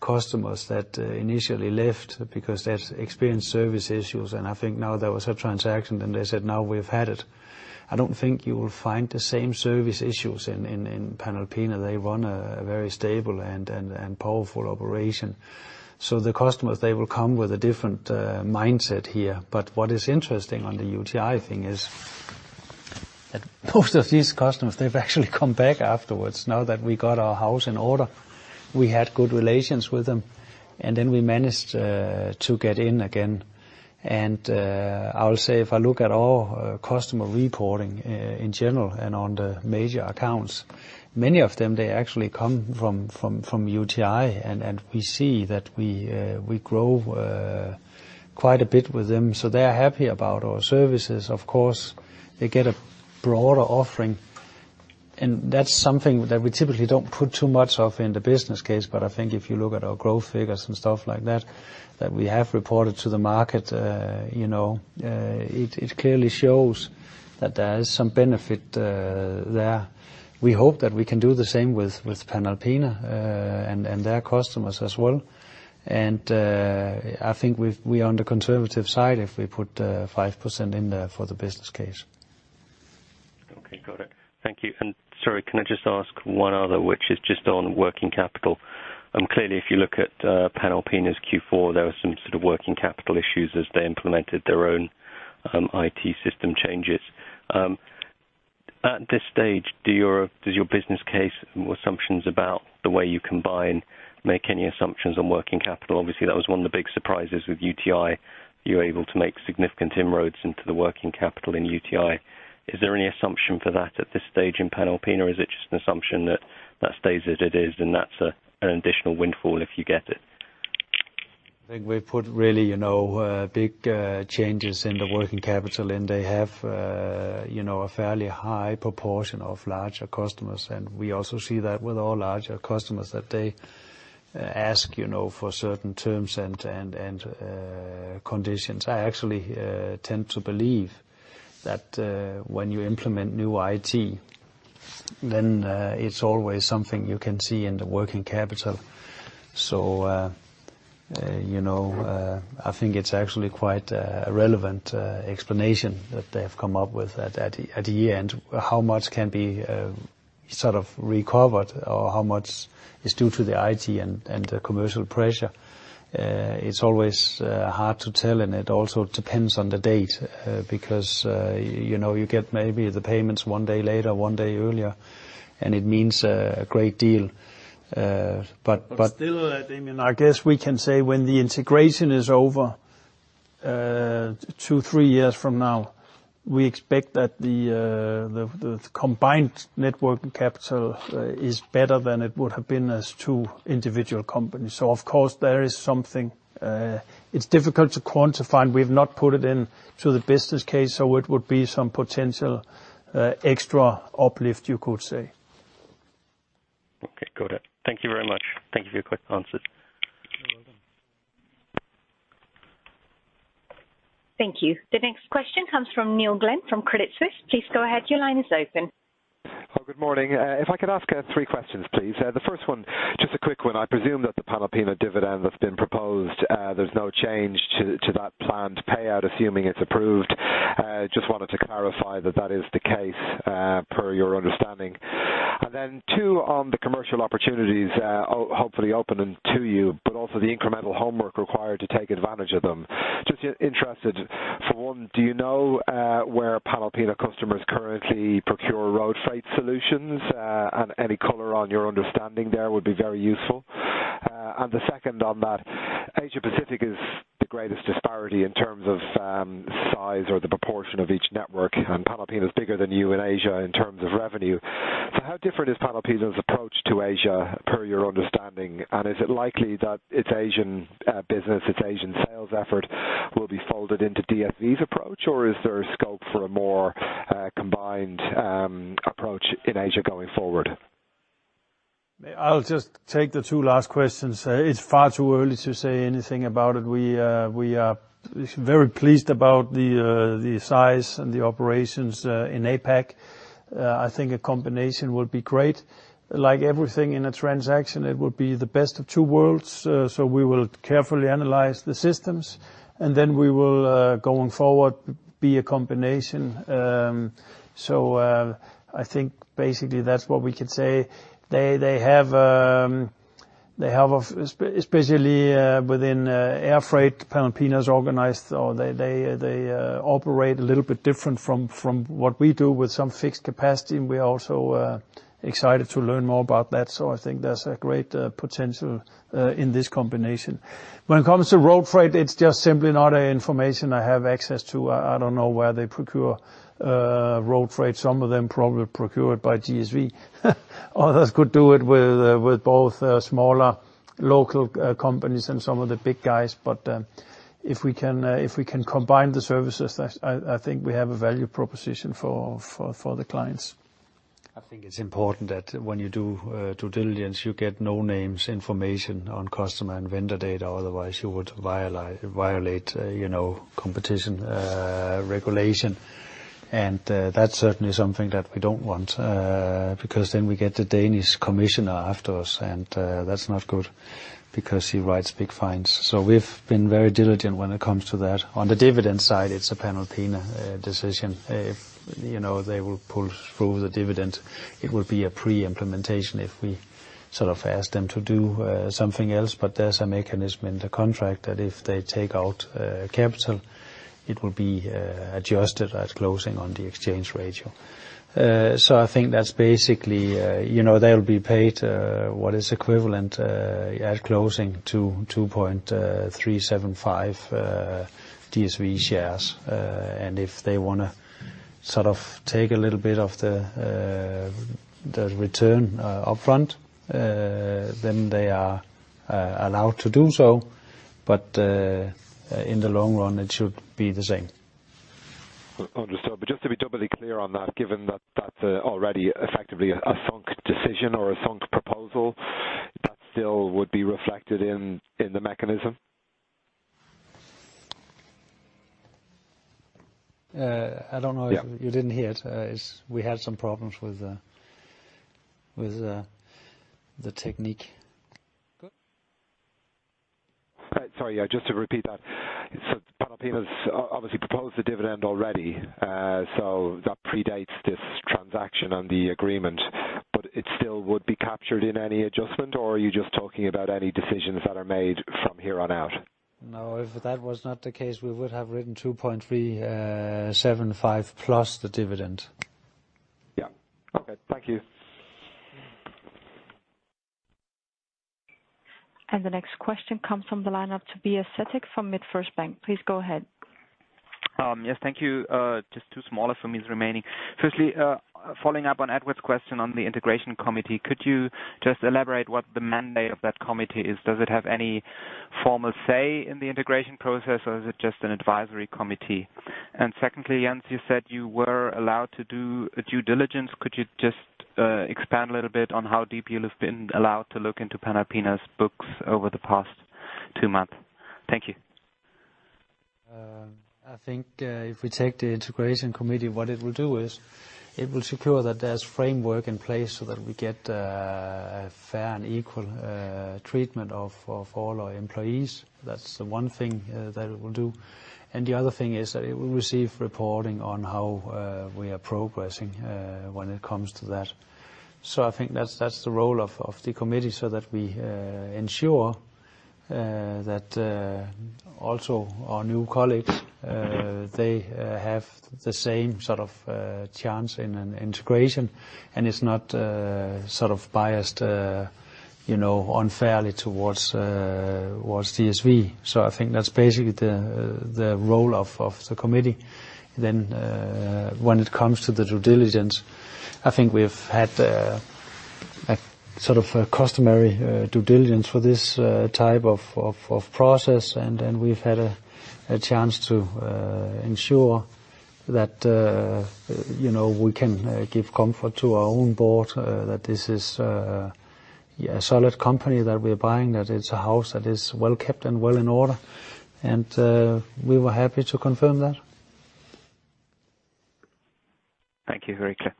customers that initially left because they've experienced service issues. I think now there was a transaction, then they said, "Now we've had it." I don't think you will find the same service issues in Panalpina. They run a very stable and powerful operation. The customers, they will come with a different mindset here. What is interesting on the UTi thing is that most of these customers, they've actually come back afterwards now that we got our house in order. We had good relations with them, and then we managed to get in again. I'll say if I look at our customer reporting in general and on the major accounts, many of them, they actually come from UTi, and we see that we grow quite a bit with them. They're happy about our services. Of course, they get a broader offering, and that's something that we typically don't put too much of in the business case. I think if you look at our growth figures and stuff like that we have reported to the market, it clearly shows that there is some benefit there. We hope that we can do the same with Panalpina, and their customers as well. I think we're on the conservative side if we put 5% in there for the business case. Okay, got it. Thank you. Sorry, can I just ask one other, which is just on working capital. Clearly, if you look at Panalpina's Q4, there are some sort of working capital issues as they implemented their own IT system changes. At this stage, does your business case or assumptions about the way you combine, make any assumptions on working capital? Obviously, that was one of the big surprises with UTi. You were able to make significant inroads into the working capital in UTi. Is there any assumption for that at this stage in Panalpina, or is it just an assumption that stays as it is, and that's an additional windfall if you get it? I think we've put really big changes in the working capital, they have a fairly high proportion of larger customers. We also see that with our larger customers that they ask for certain terms and conditions. I actually tend to believe that when you implement new IT, it's always something you can see in the working capital. I think it's actually quite a relevant explanation that they have come up with at the end. How much can be recovered or how much is due to the IT and the commercial pressure? It's always hard to tell, and it also depends on the date, because you get maybe the payments one day later, one day earlier, and it means a great deal. Still, Damian, I guess we can say when the integration is over, two, three years from now, we expect that the combined network capital is better than it would have been as two individual companies. Of course, there is something. It's difficult to quantify, and we've not put it into the business case, it would be some potential extra uplift, you could say. Okay. Got it. Thank you very much. Thank you for your quick answers. You're welcome. Thank you. The next question comes from Neil Glynn from Credit Suisse. Please go ahead. Your line is open. Good morning. If I could ask three questions, please. The first one, just a quick one. I presume that the Panalpina dividend that's been proposed, there is no change to that planned payout, assuming it is approved. Just wanted to clarify that that is the case, per your understanding. Then two on the commercial opportunities, hopefully open to you, but also the incremental homework required to take advantage of them. Just interested, for one, do you know where Panalpina customers currently procure road freight solutions? Any color on your understanding there would be very useful. The second on that, Asia-Pacific is the greatest disparity in terms of size or the proportion of each network, and Panalpina is bigger than you in Asia in terms of revenue. How different is Panalpina's approach to Asia, per your understanding? Is it likely that its Asian business, its Asian sales effort will be folded into DSV's approach, or is there a scope for a more combined approach in Asia going forward? I'll just take the two last questions. It's far too early to say anything about it. We are very pleased about the size and the operations in APAC. I think a combination would be great. Like everything in a transaction, it would be the best of two worlds. We will carefully analyze the systems, and then we will, going forward, be a combination. I think basically that's what we could say. They have, especially within air freight, Panalpina is organized, or they operate a little bit different from what we do with some fixed capacity, and we are also excited to learn more about that. I think there's a great potential in this combination. When it comes to road freight, it's just simply not information I have access to. I don't know where they procure road freight. Some of them probably procured by DSV. Others could do it with both smaller local companies and some of the big guys. If we can combine the services, I think we have a value proposition for the clients. I think it's important that when you do due diligence, you get no names information on customer and vendor data, otherwise you would violate competition regulation. That's certainly something that we don't want, because then we get the Danish commissioner after us, and that's not good, because he writes big fines. We've been very diligent when it comes to that. On the dividend side, it's a Panalpina decision. If they will pull through the dividend, it will be a pre-implementation if we sort of ask them to do something else. There's a mechanism in the contract that if they take out capital, it will be adjusted at closing on the exchange ratio. I think that's basically, they'll be paid what is equivalent at closing to 2.375 DSV shares. If they want to take a little bit of the return upfront, then they are allowed to do so. In the long run, it should be the same. Understood. Just to be doubly clear on that, given that that's already effectively a sunk decision or a sunk proposal, that still would be reflected in the mechanism? I don't know. Yeah. You didn't hear it, as we had some problems with the technique. Sorry, just to repeat that. Panalpina's obviously proposed a dividend already. That predates this transaction and the agreement. It still would be captured in any adjustment, or are you just talking about any decisions that are made from here on out? No. If that was not the case, we would have written 2.375 plus the dividend. Yeah. Okay. Thank you. The next question comes from the line of Tobias Sittig from MidFirst Bank. Please go ahead. Yes. Thank you. Just two smaller for me remaining. Firstly, following up on Edward's question on the integration committee, could you just elaborate what the mandate of that committee is? Does it have any formal say in the integration process, or is it just an advisory committee? Secondly, Jens, you said you were allowed to do a due diligence. Could you just expand a little bit on how deep you have been allowed to look into Panalpina's books over the past two months? Thank you. I think if we take the integration committee, what it will do is it will secure that there's framework in place so that we get a fair and equal treatment of all our employees. That's the one thing that it will do. The other thing is that it will receive reporting on how we are progressing when it comes to that. I think that's the role of the committee, so that we ensure that also our new colleagues, they have the same sort of chance in an integration, and it's not biased unfairly towards DSV. I think that's basically the role of the committee. When it comes to the due diligence, I think we've had a customary due diligence for this type of process. We've had a chance to ensure that we can give comfort to our own board that this is a solid company that we're buying, that it's a house that is well kept and well in order. We were happy to confirm that. Thank you. Very clear.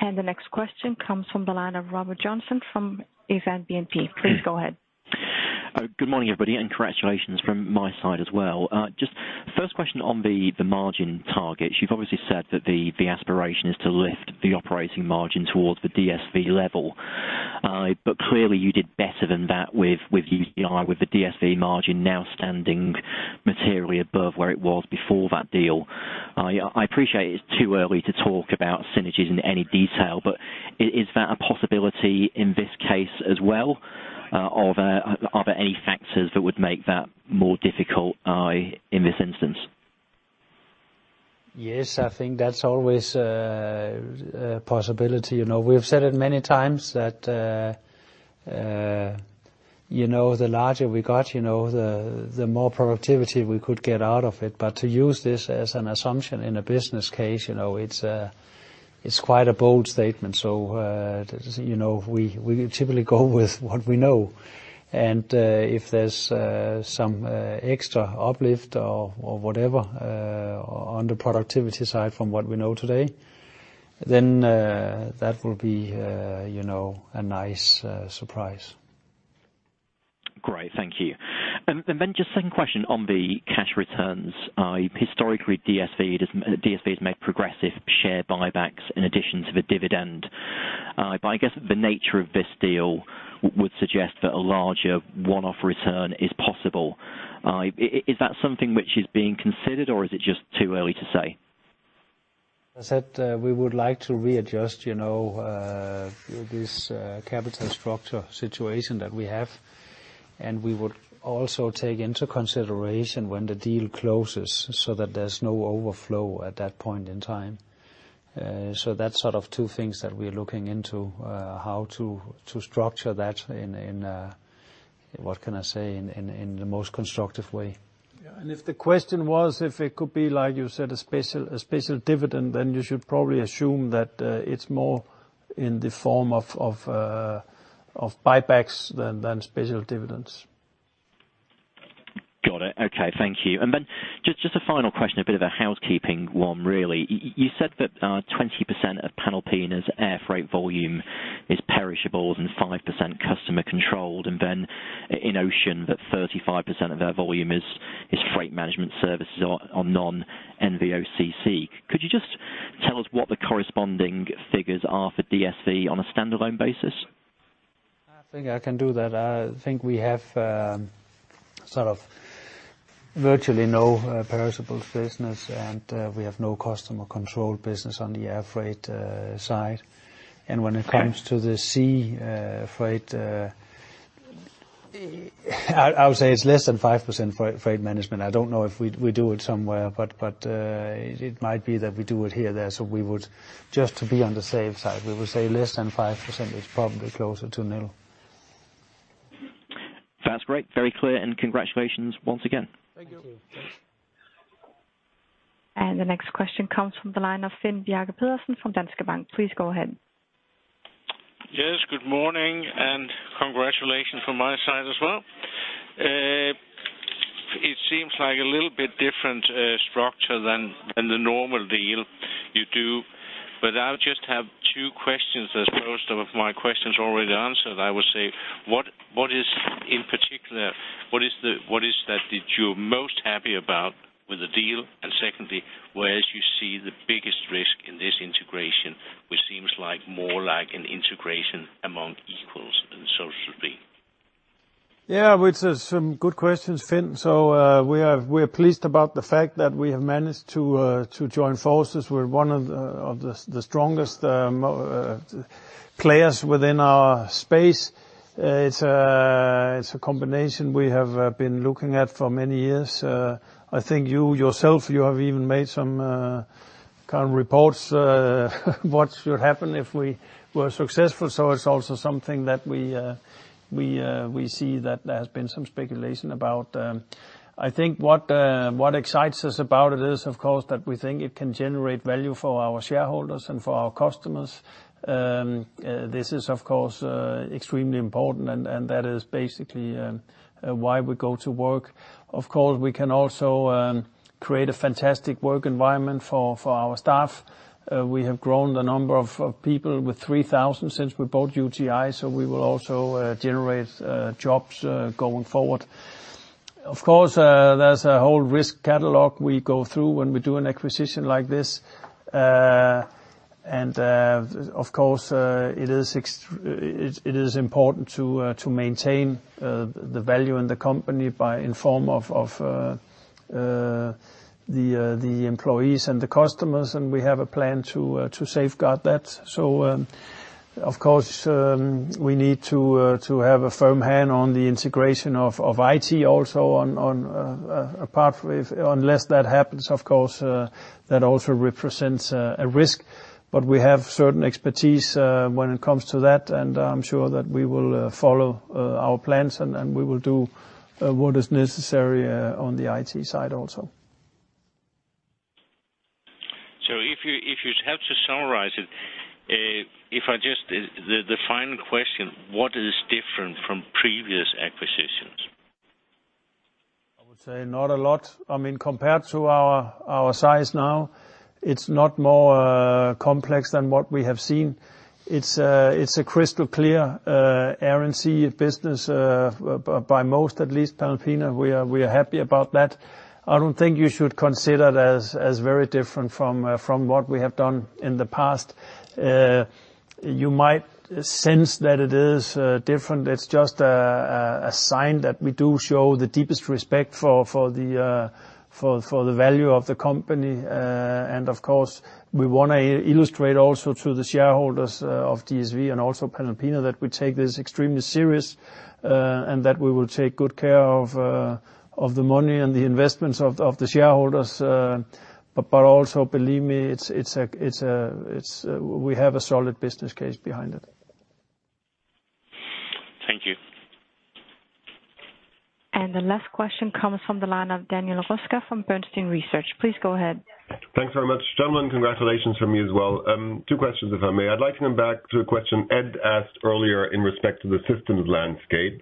The next question comes from the line of Robert Joynson from Exane BNP. Please go ahead. Good morning, everybody, and congratulations from my side as well. Just first question on the margin targets. You've obviously said that the aspiration is to lift the operating margin towards the DSV level. Clearly, you did better than that with UTi, with the DSV margin now standing materially above where it was before that deal. I appreciate it's too early to talk about synergies in any detail, is that a possibility in this case as well? Are there any factors that would make that more difficult in this instance? Yes, I think that's always a possibility. We've said it many times that the larger we got, the more productivity we could get out of it. To use this as an assumption in a business case, it's quite a bold statement. We typically go with what we know. If there's some extra uplift or whatever on the productivity side from what we know today, then that will be a nice surprise. Great. Thank you. Just second question on the cash returns. Historically, DSV has made progressive share buybacks in addition to the dividend. I guess the nature of this deal would suggest that a larger one-off return is possible. Is that something which is being considered or is it just too early to say? I said we would like to readjust this capital structure situation that we have, and we would also take into consideration when the deal closes so that there's no overflow at that point in time. That's sort of two things that we're looking into, how to structure that in, what can I say, in the most constructive way. Yeah. If the question was, if it could be like you said, a special dividend, you should probably assume that it's more in the form of buybacks than special dividends. Got it. Okay. Thank you. Just a final question, a bit of a housekeeping one really. You said that 20% of Panalpina's air freight volume is perishables and 5% customer-controlled, then in ocean that 35% of their volume is freight management services on non-NVOCC. Could you just tell us what the corresponding figures are for DSV on a standalone basis? I think I can do that. I think we have sort of virtually no perishables business, and we have no customer-controlled business on the air freight side. Okay. When it comes to the sea freight, I would say it's less than 5% freight management. I don't know if we do it somewhere, but it might be that we do it here or there, so just to be on the safe side, we will say less than 5%. It's probably closer to nil. That's great. Very clear and congratulations once again. Thank you. Thank you. The next question comes from the line of Finn-Bjarke Petersen from Danske Bank. Please go ahead. Yes, good morning and congratulations from my side as well. It seems like a little bit different structure than the normal deal you do, I just have two questions as most of my questions already answered, I would say. In particular, what is that you're most happy about with the deal? Secondly, where do you see the biggest risk in this integration, which seems more like an integration among equals than so to speak? Which is some good questions, Finn. We are pleased about the fact that we have managed to join forces with one of the strongest players within our space. It's a combination we have been looking at for many years. I think you yourself, you have even made some kind of reports, what should happen if we were successful. It's also something that we see that there has been some speculation about. I think what excites us about it is, of course, that we think it can generate value for our shareholders and for our customers. This is, of course, extremely important, and that is basically why we go to work. Of course, we can also create a fantastic work environment for our staff. We have grown the number of people with 3,000 since we bought UTi, we will also generate jobs going forward. Of course, there's a whole risk catalog we go through when we do an acquisition like this. Of course, it is important to maintain the value in the company by informing the employees and the customers, and we have a plan to safeguard that. Of course, we need to have a firm hand on the integration of IT also on a Pathway. Unless that happens, of course, that also represents a risk. We have certain expertise when it comes to that, and I'm sure that we will follow our plans, and we will do what is necessary on the IT side also. If you have to summarize it, the final question, what is different from previous acquisitions? I would say not a lot. Compared to our size now, it's not more complex than what we have seen. It's a crystal clear, Air & Sea business, by most, at least Panalpina, we are happy about that. I don't think you should consider it as very different from what we have done in the past. You might sense that it is different. It's just a sign that we do show the deepest respect for the value of the company. Of course, we want to illustrate also to the shareholders of DSV and also Panalpina that we take this extremely serious, and that we will take good care of the money and the investments of the shareholders. Also, believe me, we have a solid business case behind it. Thank you. The last question comes from the line of Daniel Roeska from Bernstein Research. Please go ahead. Thanks very much. Gentlemen, congratulations from me as well. Two questions, if I may. I'd like to come back to a question Ed asked earlier in respect to the systems landscape.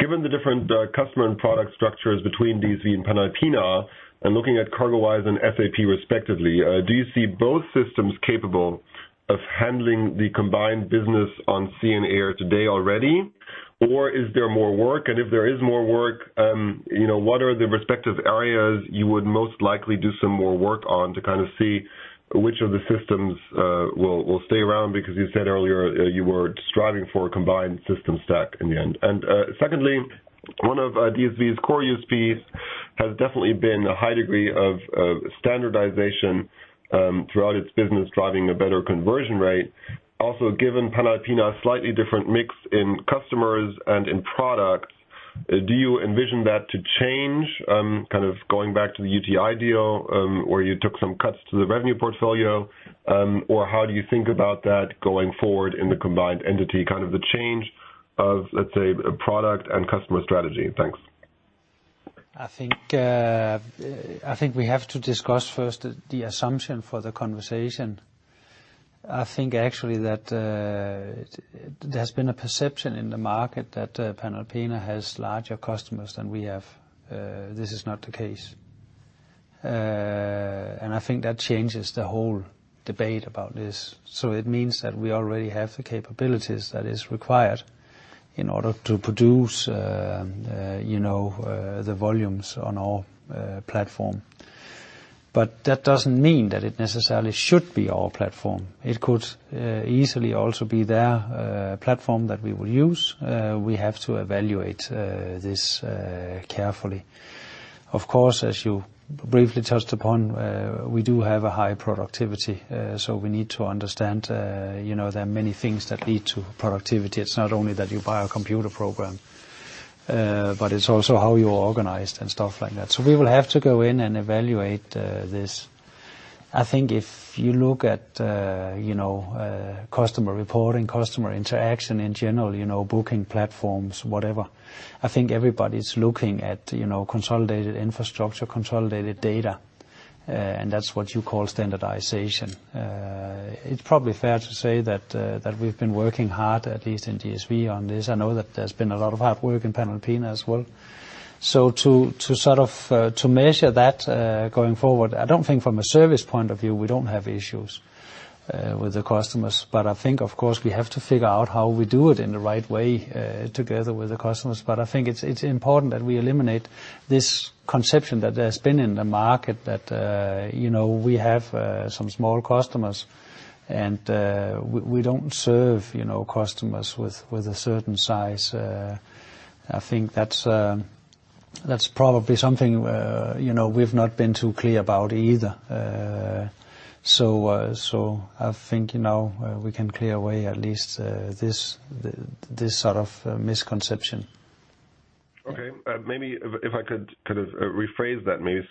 Given the different customer and product structures between DSV and Panalpina, and looking at CargoWise and SAP respectively, do you see both systems capable of handling the combined business on sea and air today already? Or is there more work? If there is more work, what are the respective areas you would most likely do some more work on to kind of see which of the systems will stay around? Because you said earlier you were striving for a combined system stack in the end. Secondly, one of DSV's core USPs has definitely been a high degree of standardization throughout its business, driving a better conversion rate. Also, given Panalpina a slightly different mix in customers and in products, do you envision that to change, kind of going back to the UTi deal, where you took some cuts to the revenue portfolio? Or how do you think about that going forward in the combined entity, kind of the change of, let's say, product and customer strategy? Thanks. I think we have to discuss first the assumption for the conversation. I think actually that there's been a perception in the market that Panalpina has larger customers than we have. This is not the case. I think that changes the whole debate about this. It means that we already have the capabilities that is required in order to produce the volumes on our platform. That doesn't mean that it necessarily should be our platform. It could easily also be their platform that we will use. We have to evaluate this carefully. Of course, as you briefly touched upon, we do have a high productivity, so we need to understand there are many things that lead to productivity. It's not only that you buy a computer program, but it's also how you are organized and stuff like that. We will have to go in and evaluate this. I think if you look at customer reporting, customer interaction in general, booking platforms, whatever, I think everybody's looking at consolidated infrastructure, consolidated data, and that's what you call standardization. It's probably fair to say that we've been working hard, at least in DSV, on this. I know that there's been a lot of hard work in Panalpina as well. To measure that going forward, I don't think from a service point of view, we don't have issues with the customers. I think, of course, we have to figure out how we do it in the right way together with the customers. I think it's important that we eliminate this conception that there's been in the market that we have some small customers, and we don't serve customers with a certain size. I think that's probably something we've not been too clear about either. I think now we can clear away at least this sort of misconception. Okay. Maybe if I could kind of rephrase that maybe.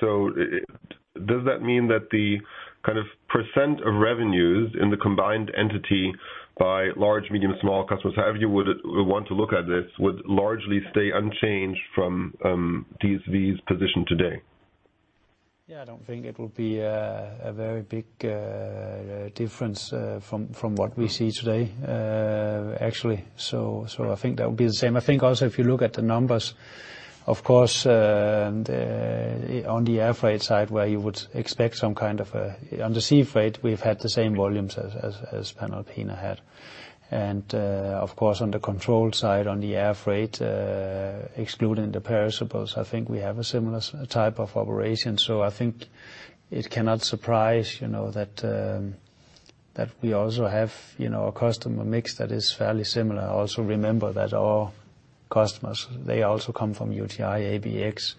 Does that mean that the kind of % of revenues in the combined entity by large, medium, small customers, however you would want to look at this, would largely stay unchanged from DSV's position today? Yeah, I don't think it will be a very big difference from what we see today, actually. I think that would be the same. I think also if you look at the numbers, of course, on the air freight side where you would expect. On the sea freight, we've had the same volumes as Panalpina had. Of course, on the control side, on the air freight, excluding the perishables, I think we have a similar type of operation. I think it cannot surprise that we also have a customer mix that is fairly similar. Also remember that our customers, they also come from UTi, ABX.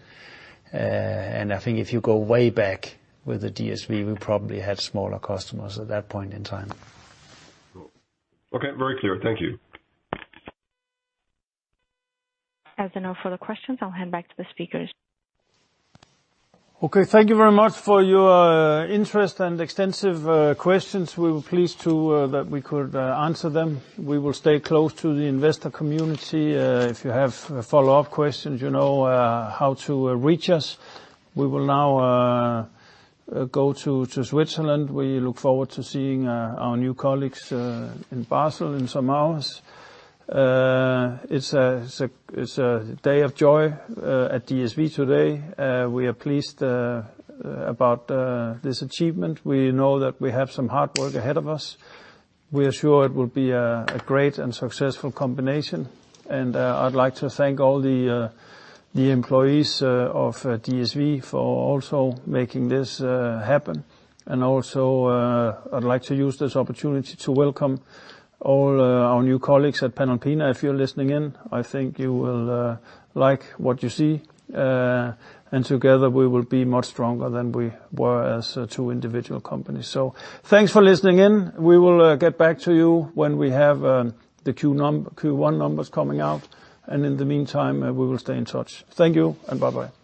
I think if you go way back with DSV, we probably had smaller customers at that point in time. Cool. Okay. Very clear. Thank you. As there are no further questions, I'll hand back to the speakers. Okay, thank you very much for your interest and extensive questions. We were pleased that we could answer them. We will stay close to the investor community. If you have follow-up questions, you know how to reach us. We will now go to Switzerland. We look forward to seeing our new colleagues in Basel in some hours. It's a day of joy at DSV today. We are pleased about this achievement. We know that we have some hard work ahead of us. We are sure it will be a great and successful combination. I'd like to thank all the employees of DSV for also making this happen. Also, I'd like to use this opportunity to welcome all our new colleagues at Panalpina. If you're listening in, I think you will like what you see, and together we will be much stronger than we were as two individual companies. Thanks for listening in. We will get back to you when we have the Q1 numbers coming out, and in the meantime, we will stay in touch. Thank you, and bye-bye.